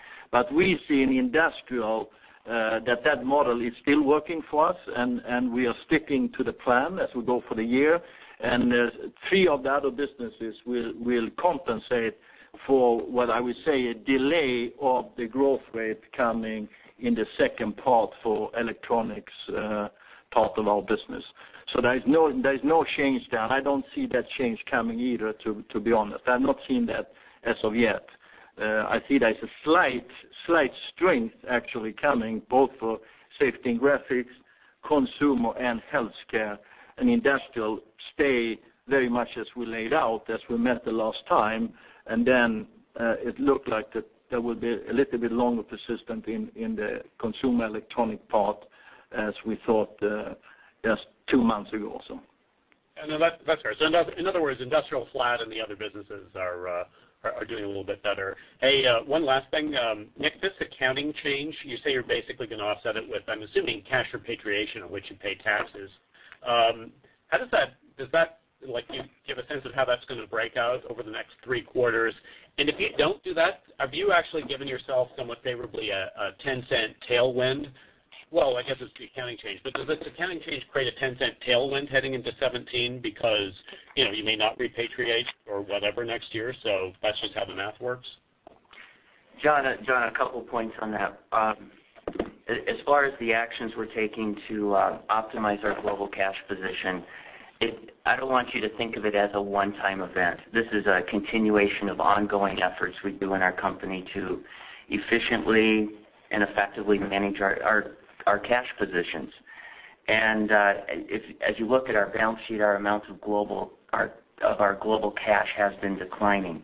We see in Industrial, that that model is still working for us, and we are sticking to the plan as we go for the year. Three of the other businesses will compensate for what I would say a delay of the growth rate coming in the second part for electronics part of our business. There is no change there. I don't see that change coming either, to be honest. I've not seen that as of yet. I see there's a slight strength actually coming both for Safety & Graphics, Consumer and Health Care, and Industrial stay very much as we laid out as we met the last time, and then it looked like that there would be a little bit longer persistent in the consumer electronic part as we thought just 2 months ago or so. In other words, Industrial is flat and the other businesses are doing a little bit better. Hey, one last thing. Nick, this accounting change, you say you're basically going to offset it with, I'm assuming, cash repatriation on which you pay taxes. Can you give a sense of how that's going to break out over the next three quarters? If you don't do that, have you actually given yourself somewhat favorably a $0.10 tailwind? Well, I guess it's the accounting change, but does this accounting change create a $0.10 tailwind heading into 2017 because you may not repatriate or whatever next year, so that's just how the math works? John, a couple of points on that. As far as the actions we're taking to optimize our global cash position, I don't want you to think of it as a one-time event. This is a continuation of ongoing efforts we do in our company to efficiently and effectively manage our cash positions. As you look at our balance sheet, our amounts of our global cash has been declining.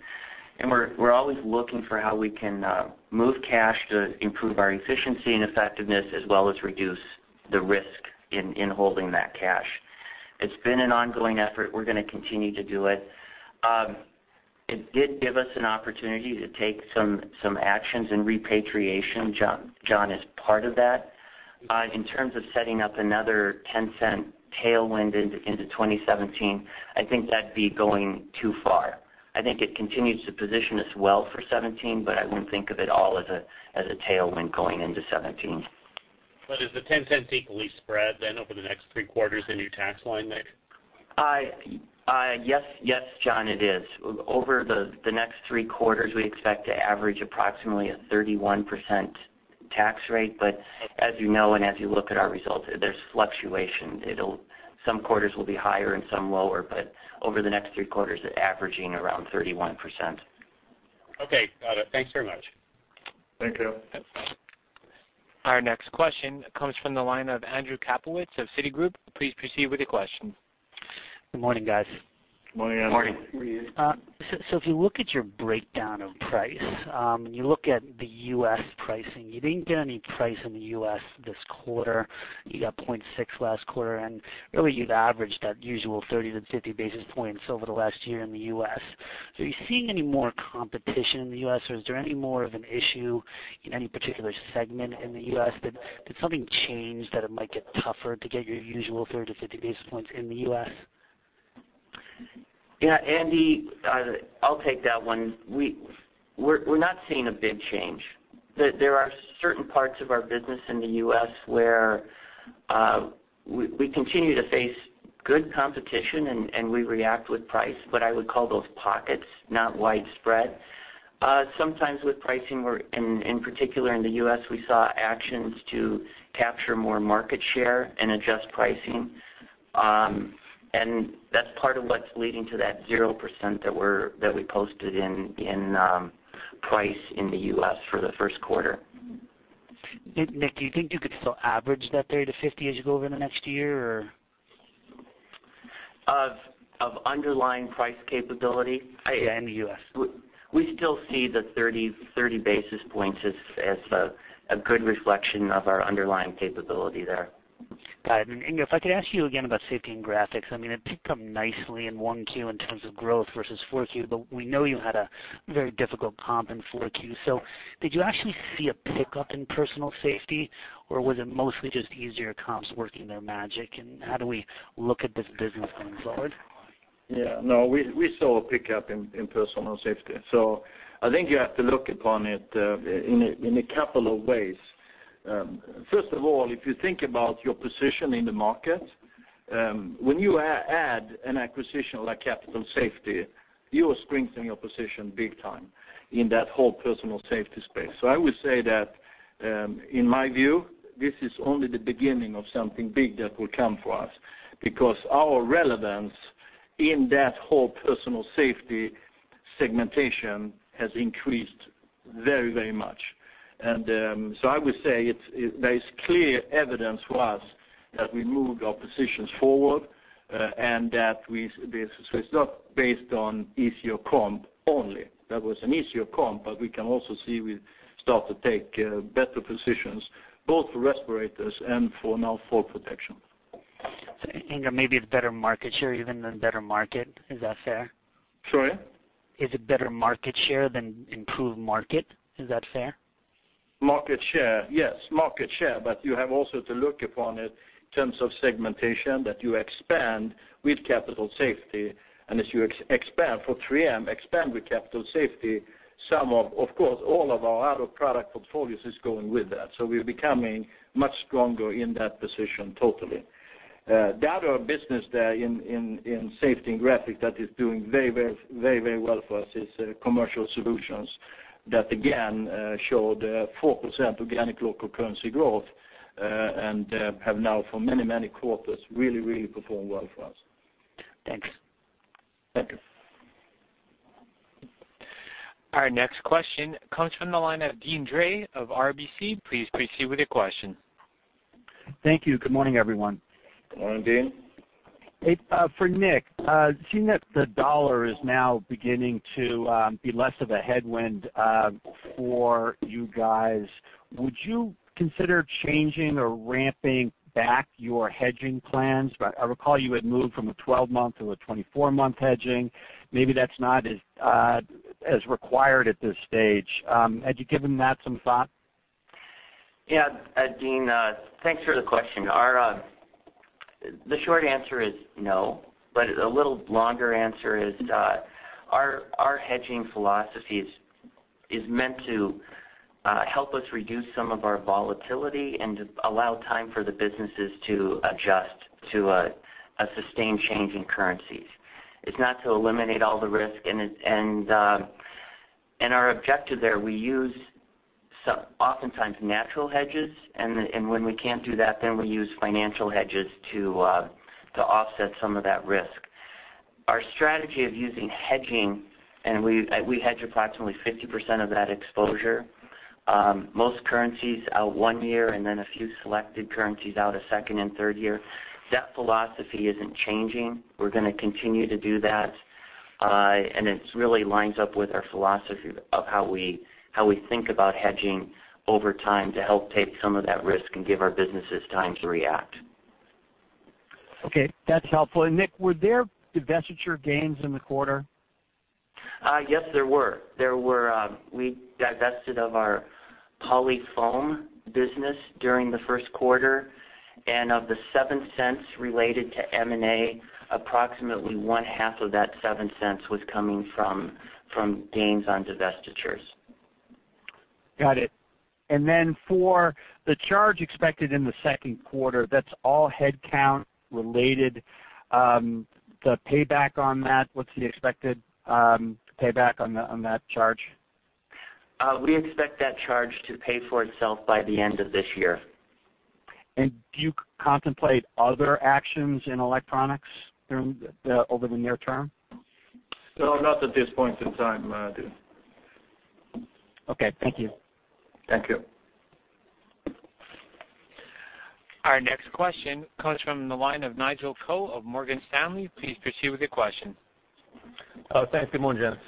We're always looking for how we can move cash to improve our efficiency and effectiveness, as well as reduce the risk in holding that cash. It's been an ongoing effort. We're going to continue to do it. It did give us an opportunity to take some actions in repatriation, John, as part of that. In terms of setting up another $0.10 tailwind into 2017, I think that'd be going too far. I think it continues to position us well for 2017, but I wouldn't think of it all as a tailwind going into 2017. Is the $0.10 equally spread then over the next three quarters, the new tax line, Nick? Yes, John, it is. Over the next 3 quarters, we expect to average approximately a 31% tax rate. As you know and as you look at our results, there's fluctuation. Some quarters will be higher and some lower, over the next 3 quarters, they're averaging around 31%. Okay. Got it. Thanks very much. Thank you. That's fine. Our next question comes from the line of Andrew Kaplowitz of Citigroup. Please proceed with your question. Good morning, guys. Good morning, Andrew. Morning. If you look at your breakdown of price, and you look at the U.S. pricing, you didn't get any price in the U.S. this quarter. You got 0.6 last quarter, and really you've averaged that usual 30 to 50 basis points over the last year in the U.S. Are you seeing any more competition in the U.S., or is there any more of an issue in any particular segment in the U.S.? Did something change that it might get tougher to get your usual 30 to 50 basis points in the U.S.? Yeah, Andy, I'll take that one. We're not seeing a big change. There are certain parts of our business in the U.S. where we continue to face good competition, and we react with price, but I would call those pockets, not widespread. Sometimes with pricing, in particular in the U.S., we saw actions to capture more market share and adjust pricing. That's part of what's leading to that 0% that we posted in price in the U.S. for the first quarter. Nick, do you think you could still average that 30 to 50 as you go over the next year or? Of underlying price capability? Yeah, in the U.S. We still see the 30 basis points as a good reflection of our underlying capability there. Got it. Inge, if I could ask you again about Safety and Graphics. I mean, it did come nicely in 1Q in terms of growth versus 4Q, but we know you had a very difficult comp in 4Q. Did you actually see a pickup in Personal Safety, or was it mostly just easier comps working their magic, and how do we look at this business going forward? Yeah, no, we saw a pickup in Personal Safety. I think you have to look upon it in a couple of ways. First of all, if you think about your position in the market, when you add an acquisition like Capital Safety, you are strengthening your position big time in that whole Personal Safety space. I would say that, in my view, this is only the beginning of something big that will come for us, because our relevance in that whole Personal Safety segmentation has increased very much. I would say there is clear evidence for us that we moved our positions forward, and that it's not based on easier comp only. That was an easier comp, but we can also see we start to take better positions both for respirators and for now fall protection. Inger, maybe it's better market share even than better market. Is that fair? Sorry? Is it better market share than improved market? Is that fair? Market share. Yes. Market share, you have also to look upon it in terms of segmentation that you expand with Capital Safety. As you expand for 3M, expand with Capital Safety, some of course, all of our other product portfolios is going with that. We're becoming much stronger in that position, totally. The other business there in Safety and Graphics that is doing very well for us is Commercial Solutions that again, showed 4% organic local currency growth, and have now for many quarters really performed well for us. Thanks. Thank you. Our next question comes from the line of Deane Dray of RBC. Please proceed with your question. Thank you. Good morning, everyone. Morning, Deane. For Nick, seeing that the dollar is now beginning to be less of a headwind for you guys, would you consider changing or ramping back your hedging plans? I recall you had moved from a 12-month to a 24-month hedging. Maybe that's not as required at this stage. Had you given that some thought? Yeah, Deane, thanks for the question. A little longer answer is, our hedging philosophy is meant to help us reduce some of our volatility and allow time for the businesses to adjust to a sustained change in currencies. It's not to eliminate all the risk, our objective there, we use oftentimes natural hedges, and when we can't do that, then we use financial hedges to offset some of that risk. Our strategy of using hedging, and we hedge approximately 50% of that exposure. Most currencies out one year and then a few selected currencies out a second and third year. That philosophy isn't changing. We're going to continue to do that. It really lines up with our philosophy of how we think about hedging over time to help take some of that risk and give our businesses time to react. Okay. That's helpful. Nick, were there divestiture gains in the quarter? Yes, there were. We divested of our Polyfoam business during the first quarter. Of the $0.07 related to M&A, approximately one half of that $0.07 was coming from gains on divestitures. Got it. Then for the charge expected in the second quarter, that's all headcount related. The payback on that, what's the expected payback on that charge? We expect that charge to pay for itself by the end of this year. Do you contemplate other actions in electronics over the near term? No, not at this point in time, I do. Okay, thank you. Thank you. Our next question comes from the line of Nigel Coe of Morgan Stanley. Please proceed with your question. Oh, thanks. Good morning, gents.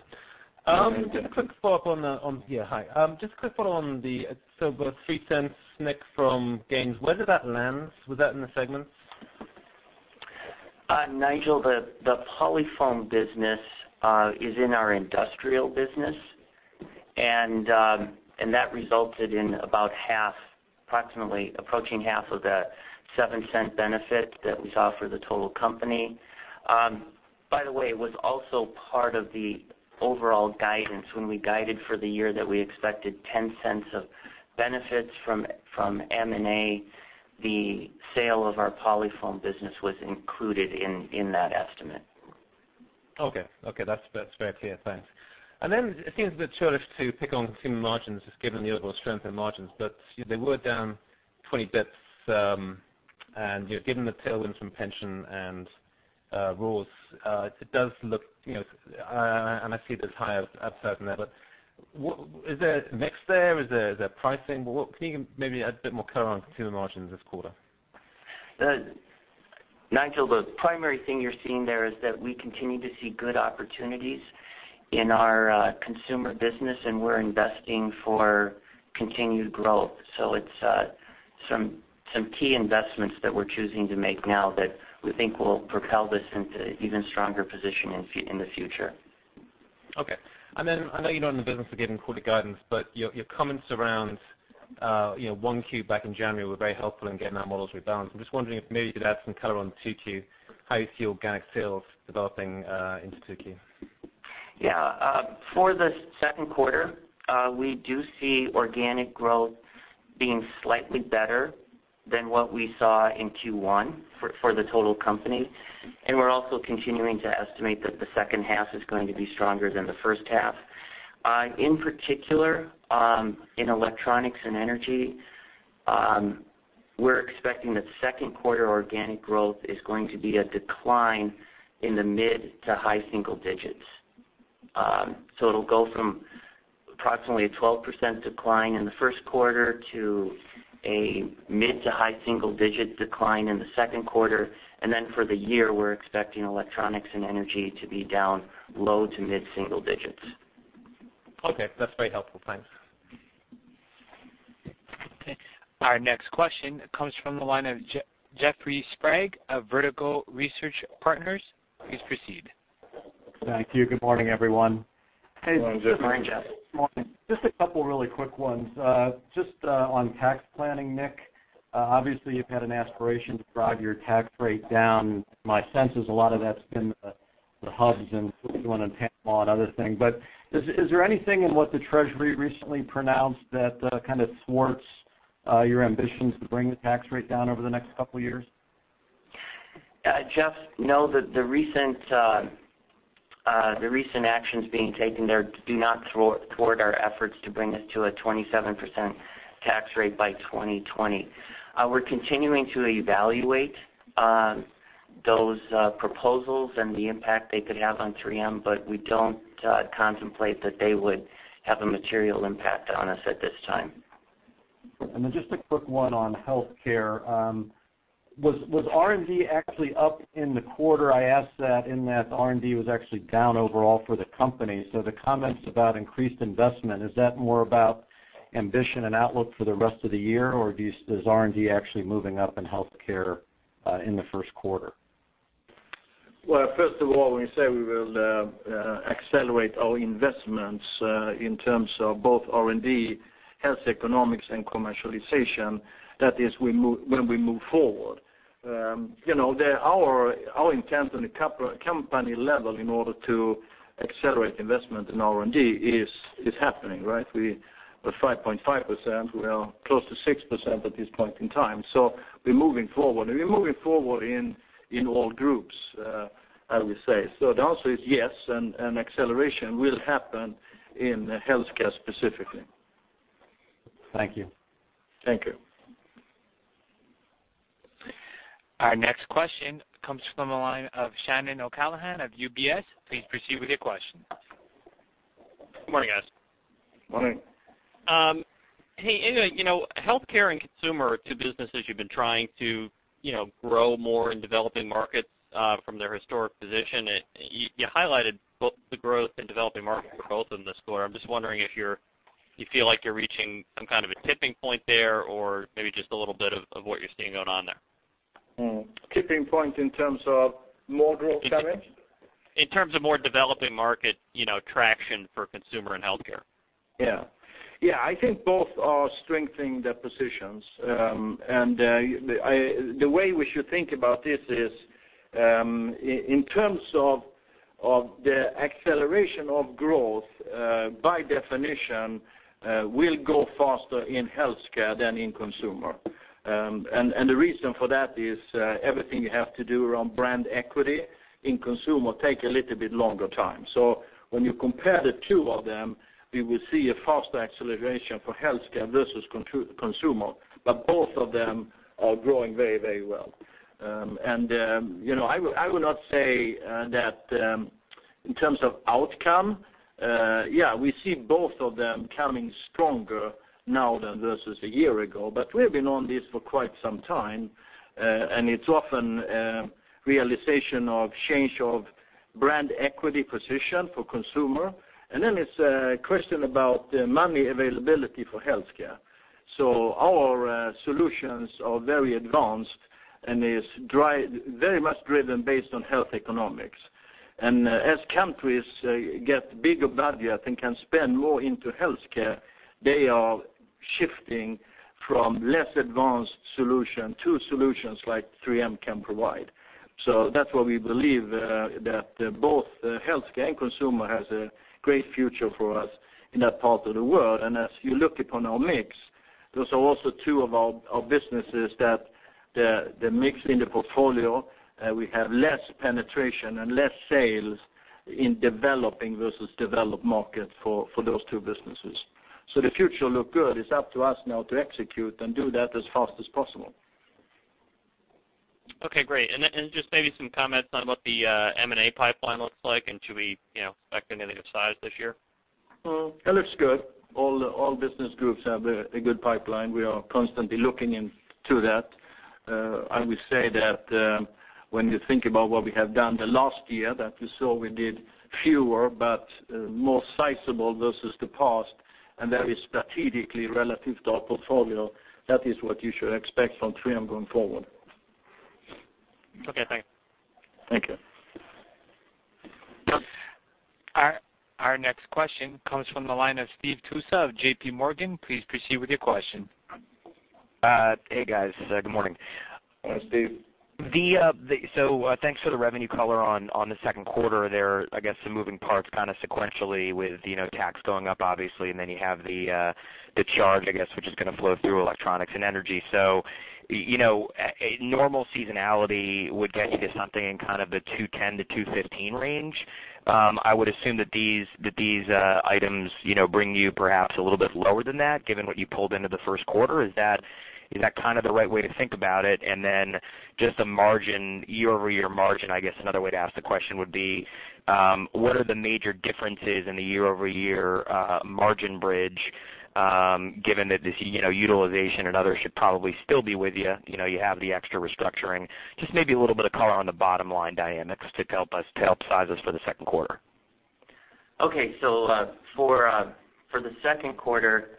Good morning. Just a quick follow-up on the $0.03 Nick from gains. Where did that land? Was that in the segments? Nigel, the Polyfoam business is in our industrial business, and that resulted in approximately approaching half of the $0.07 benefit that we saw for the total company. By the way, it was also part of the overall guidance when we guided for the year that we expected $0.10 of benefits from M&A. The sale of our Polyfoam business was included in that estimate. Okay. That's very clear. Thanks. It seems a bit churlish to pick on consumer margins, just given the overall strength in margins. They were down 20 basis points, and given the tailwinds from pension and OPEB, it does look, and I see there's higher upside in there, is there mix there? Is there pricing? What can you maybe add a bit more color on consumer margins this quarter? Nigel, the primary thing you're seeing there is that we continue to see good opportunities in our consumer business, and we're investing for continued growth. It's some key investments that we're choosing to make now that we think will propel this into even stronger position in the future. Okay. I know you're not in the business of giving quarterly guidance, but your comments around 1Q back in January were very helpful in getting our models rebalanced. I'm just wondering if maybe you could add some color on 2Q, how you see organic sales developing into 2Q. Yeah. For the second quarter, we do see organic growth being slightly better than what we saw in Q1 for the total company. We're also continuing to estimate that the second half is going to be stronger than the first half. In particular, in electronics and energy, we're expecting that second quarter organic growth is going to be a decline in the mid to high single digits. It'll go from approximately a 12% decline in the first quarter to a mid to high single-digit decline in the second quarter. For the year, we're expecting electronics and energy to be down low to mid single digits. Okay. That's very helpful. Thanks. Okay. Our next question comes from the line of Jeffrey Sprague of Vertical Research Partners. Please proceed. Thank you. Good morning, everyone. Good morning, Jeff. Good morning. Morning. Just a couple really quick ones. Just on tax planning, Nick, obviously you've had an aspiration to drive your tax rate down. My sense is a lot of that's been the hubs and doing a tax law and other things. Is there anything in what the Treasury recently pronounced that kind of thwarts your ambitions to bring the tax rate down over the next couple of years? Jeff, no, the recent actions being taken there do not thwart our efforts to bring this to a 27% tax rate by 2020. We're continuing to evaluate those proposals and the impact they could have on 3M, but we don't contemplate that they would have a material impact on us at this time. Just a quick one on Health Care. Was R&D actually up in the quarter? I ask that in that R&D was actually down overall for the company. The comments about increased investment, is that more about ambition and outlook for the rest of the year, or is R&D actually moving up in Health Care in the first quarter? Well, first of all, when we say we will accelerate our investments in terms of both R&D, health economics, and commercialization, that is when we move forward. Our intent on a company level in order to accelerate investment in R&D is happening, right? We're 5.5%. We are close to 6% at this point in time. We're moving forward, and we're moving forward in all groups, I would say. The answer is yes, and acceleration will happen in Health Care specifically. Thank you. Thank you. Our next question comes from the line of Shannon O'Callaghan of UBS. Please proceed with your question. Good morning, guys. Morning. Hey, Health Care and Consumer are two businesses you've been trying to grow more in developing markets from their historic position. You highlighted both the growth in developing markets for both in this quarter. I'm just wondering if you feel like you're reaching some kind of a tipping point there or maybe just a little bit of what you're seeing going on there. Tipping point in terms of more growth, Shannon? In terms of more developing market traction for consumer and healthcare. Yeah. I think both are strengthening their positions. The way we should think about this is, in terms of the acceleration of growth, by definition, will go faster in healthcare than in consumer. The reason for that is everything you have to do around brand equity in consumer take a little bit longer time. When you compare the two of them, we will see a faster acceleration for healthcare versus consumer, but both of them are growing very well. I would not say that in terms of outcome, yeah, we see both of them coming stronger now than versus a year ago. We have been on this for quite some time, and it's often a realization of change of brand equity position for consumer. Then it's a question about money availability for healthcare. Our solutions are very advanced and is very much driven based on health economics. As countries get bigger budget and can spend more into healthcare, they are shifting from less advanced solution to solutions like 3M can provide. That's why we believe that both healthcare and consumer has a great future for us in that part of the world. As you look upon our mix, those are also two of our businesses that the mix in the portfolio, we have less penetration and less sales in developing versus developed market for those two businesses. The future look good. It's up to us now to execute and do that as fast as possible. Okay, great. Just maybe some comments on what the M&A pipeline looks like, and should we expect anything of size this year? It looks good. All business groups have a good pipeline. We are constantly looking into that. I would say that when you think about what we have done the last year, that you saw we did fewer but more sizable versus the past, and that is strategically relative to our portfolio. That is what you should expect from 3M going forward. Okay, thanks. Thank you. Our next question comes from the line of Steve Tusa of J.P. Morgan. Please proceed with your question. Hey, guys. Good morning. Hi, Steve. Thanks for the revenue color on the second quarter there. I guess some moving parts kind of sequentially with tax going up, obviously, and then you have the charge, I guess, which is going to flow through electronics and energy. A normal seasonality would get you to something in kind of the $210-$215 range. I would assume that these items bring you perhaps a little bit lower than that, given what you pulled into the first quarter. Is that kind of the right way to think about it? Then just a year-over-year margin, I guess another way to ask the question would be, what are the major differences in the year-over-year margin bridge, given that this utilization and others should probably still be with you? You have the extra restructuring. Just maybe a little bit of color on the bottom line dynamics to help size us for the second quarter. For the second quarter,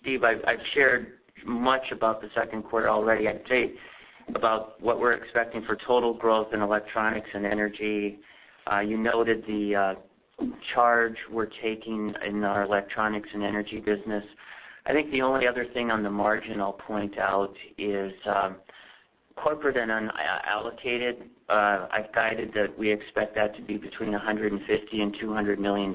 Steve, I've shared much about the second quarter already, I'd say, about what we're expecting for total growth in electronics and energy. You noted the charge we're taking in our electronics and energy business. I think the only other thing on the margin I'll point out is corporate and unallocated. I've guided that we expect that to be between $150 million and $200 million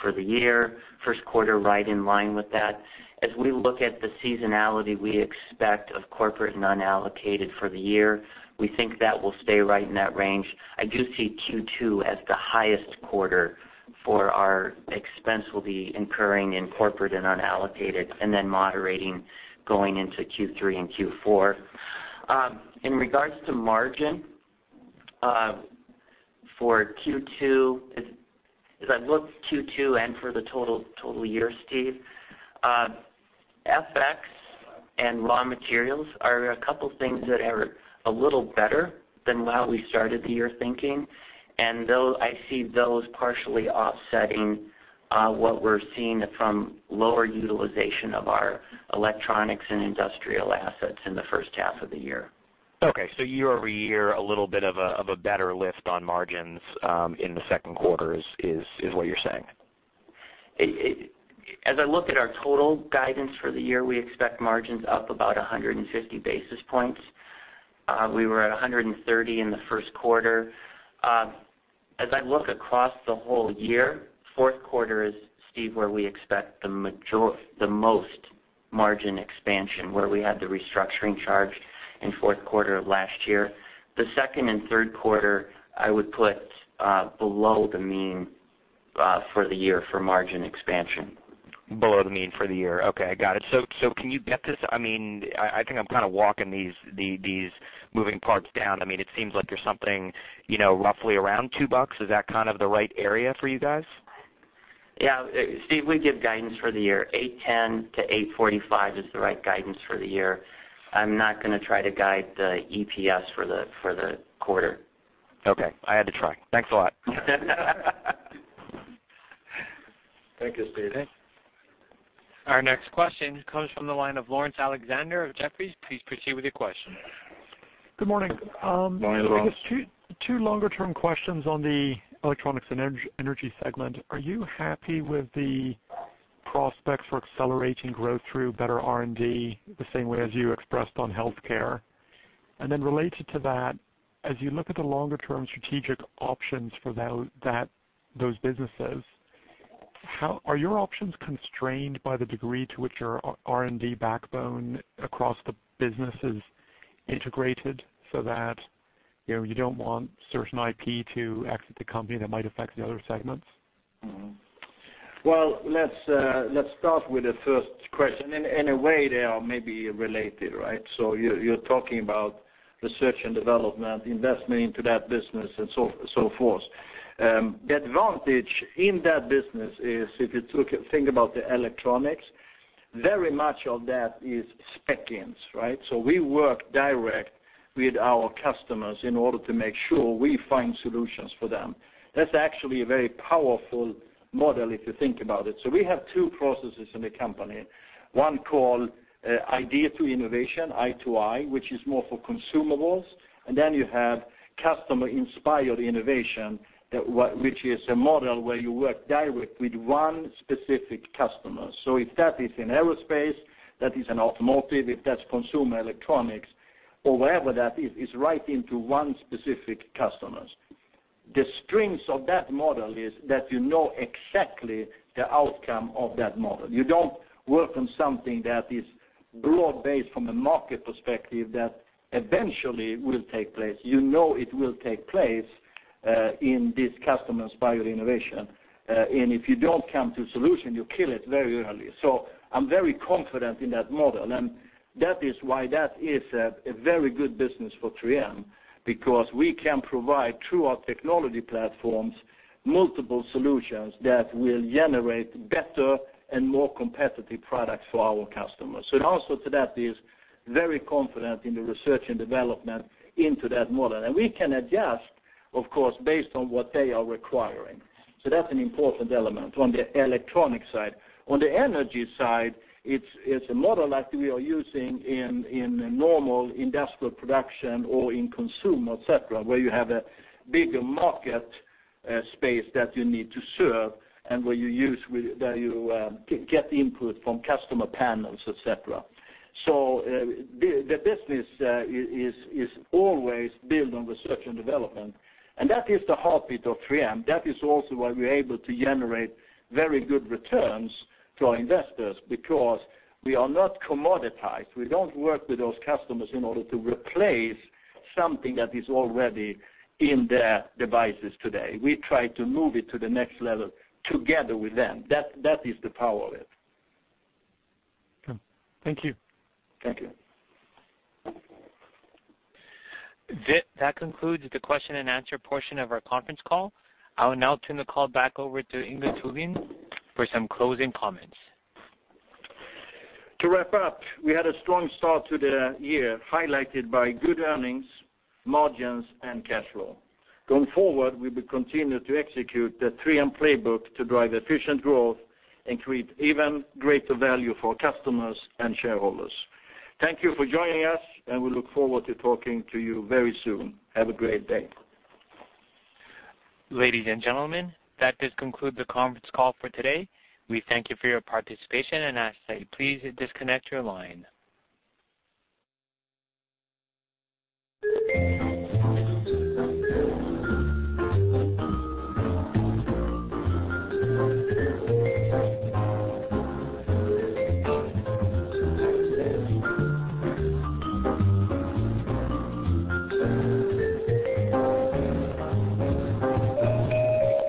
for the year. First quarter right in line with that. As we look at the seasonality we expect of corporate and unallocated for the year, we think that will stay right in that range. I do see Q2 as the highest quarter for our expense we'll be incurring in corporate and unallocated and then moderating going into Q3 and Q4. In regards to margin, for Q2, as I look Q2 and for the total year, Steve, FX and raw materials are a couple things that are a little better than what we started the year thinking. I see those partially offsetting what we're seeing from lower utilization of our electronics and industrial assets in the first half of the year. Year-over-year, a little bit of a better lift on margins in the second quarter is what you're saying. As I look at our total guidance for the year, we expect margins up about 150 basis points. We were at 130 in the first quarter. As I look across the whole year, fourth quarter is, Steve, where we expect the most margin expansion, where we had the restructuring charge in fourth quarter of last year. The second and third quarter, I would put below the mean for the year for margin expansion. Below the mean for the year. Okay, got it. Can you get this, I think I'm kind of walking these moving parts down. It seems like you're something roughly around $2. Is that kind of the right area for you guys? Yeah. Steve, we give guidance for the year, $810-$845 is the right guidance for the year. I'm not going to try to guide the EPS for the quarter. Okay. I had to try. Thanks a lot. Thank you, Steve. Our next question comes from the line of Laurence Alexander of Jefferies. Please proceed with your question. Good morning. Morning, Laurence. Two longer term questions on the electronics and energy segment. Are you happy with the prospects for accelerating growth through better R&D, the same way as you expressed on healthcare. Related to that, as you look at the longer-term strategic options for those businesses, are your options constrained by the degree to which your R&D backbone across the business is integrated so that you don't want certain IP to exit the company that might affect the other segments? Let's start with the first question. In a way, they are maybe related, right? You're talking about research and development, investment into that business, and so forth. The advantage in that business is, if you think about the electronics, very much of that is spec-ins, right? We work directly with our customers in order to make sure we find solutions for them. That's actually a very powerful model if you think about it. We have two processes in the company. One called Idea to Innovation, I2I, which is more for consumables, and then you have Customer Inspired Innovation, which is a model where you work directly with one specific customer. If that is in aerospace, that is in automotive, if that's consumer electronics or wherever that is, it's right into one specific customer. The strength of that model is that you know exactly the outcome of that model. You don't work on something that is broad-based from a market perspective that eventually will take place. You know it will take place in this Customer Inspired Innovation, and if you don't come to a solution, you kill it very early. I'm very confident in that model, and that is why that is a very good business for 3M, because we can provide, through our technology platforms, multiple solutions that will generate better and more competitive products for our customers. Also to that is very confident in the research and development into that model. We can adjust, of course, based on what they are requiring. That's an important element on the electronic side. On the energy side, it's a model that we are using in normal industrial production or in consumer, et cetera, where you have a bigger market space that you need to serve and where you get input from customer panels, et cetera. The business is always built on research and development, and that is the heartbeat of 3M. That is also why we're able to generate very good returns to our investors, because we are not commoditized. We don't work with those customers in order to replace something that is already in their devices today. We try to move it to the next level together with them. That is the power of it. Okay. Thank you. Thank you. That concludes the question and answer portion of our conference call. I will now turn the call back over to Inge Thulin for some closing comments. To wrap up, we had a strong start to the year, highlighted by good earnings, margins, and cash flow. Going forward, we will continue to execute the 3M playbook to drive efficient growth and create even greater value for customers and shareholders. Thank you for joining us, and we look forward to talking to you very soon. Have a great day. Ladies and gentlemen, that does conclude the conference call for today. We thank you for your participation and ask that you please disconnect your line.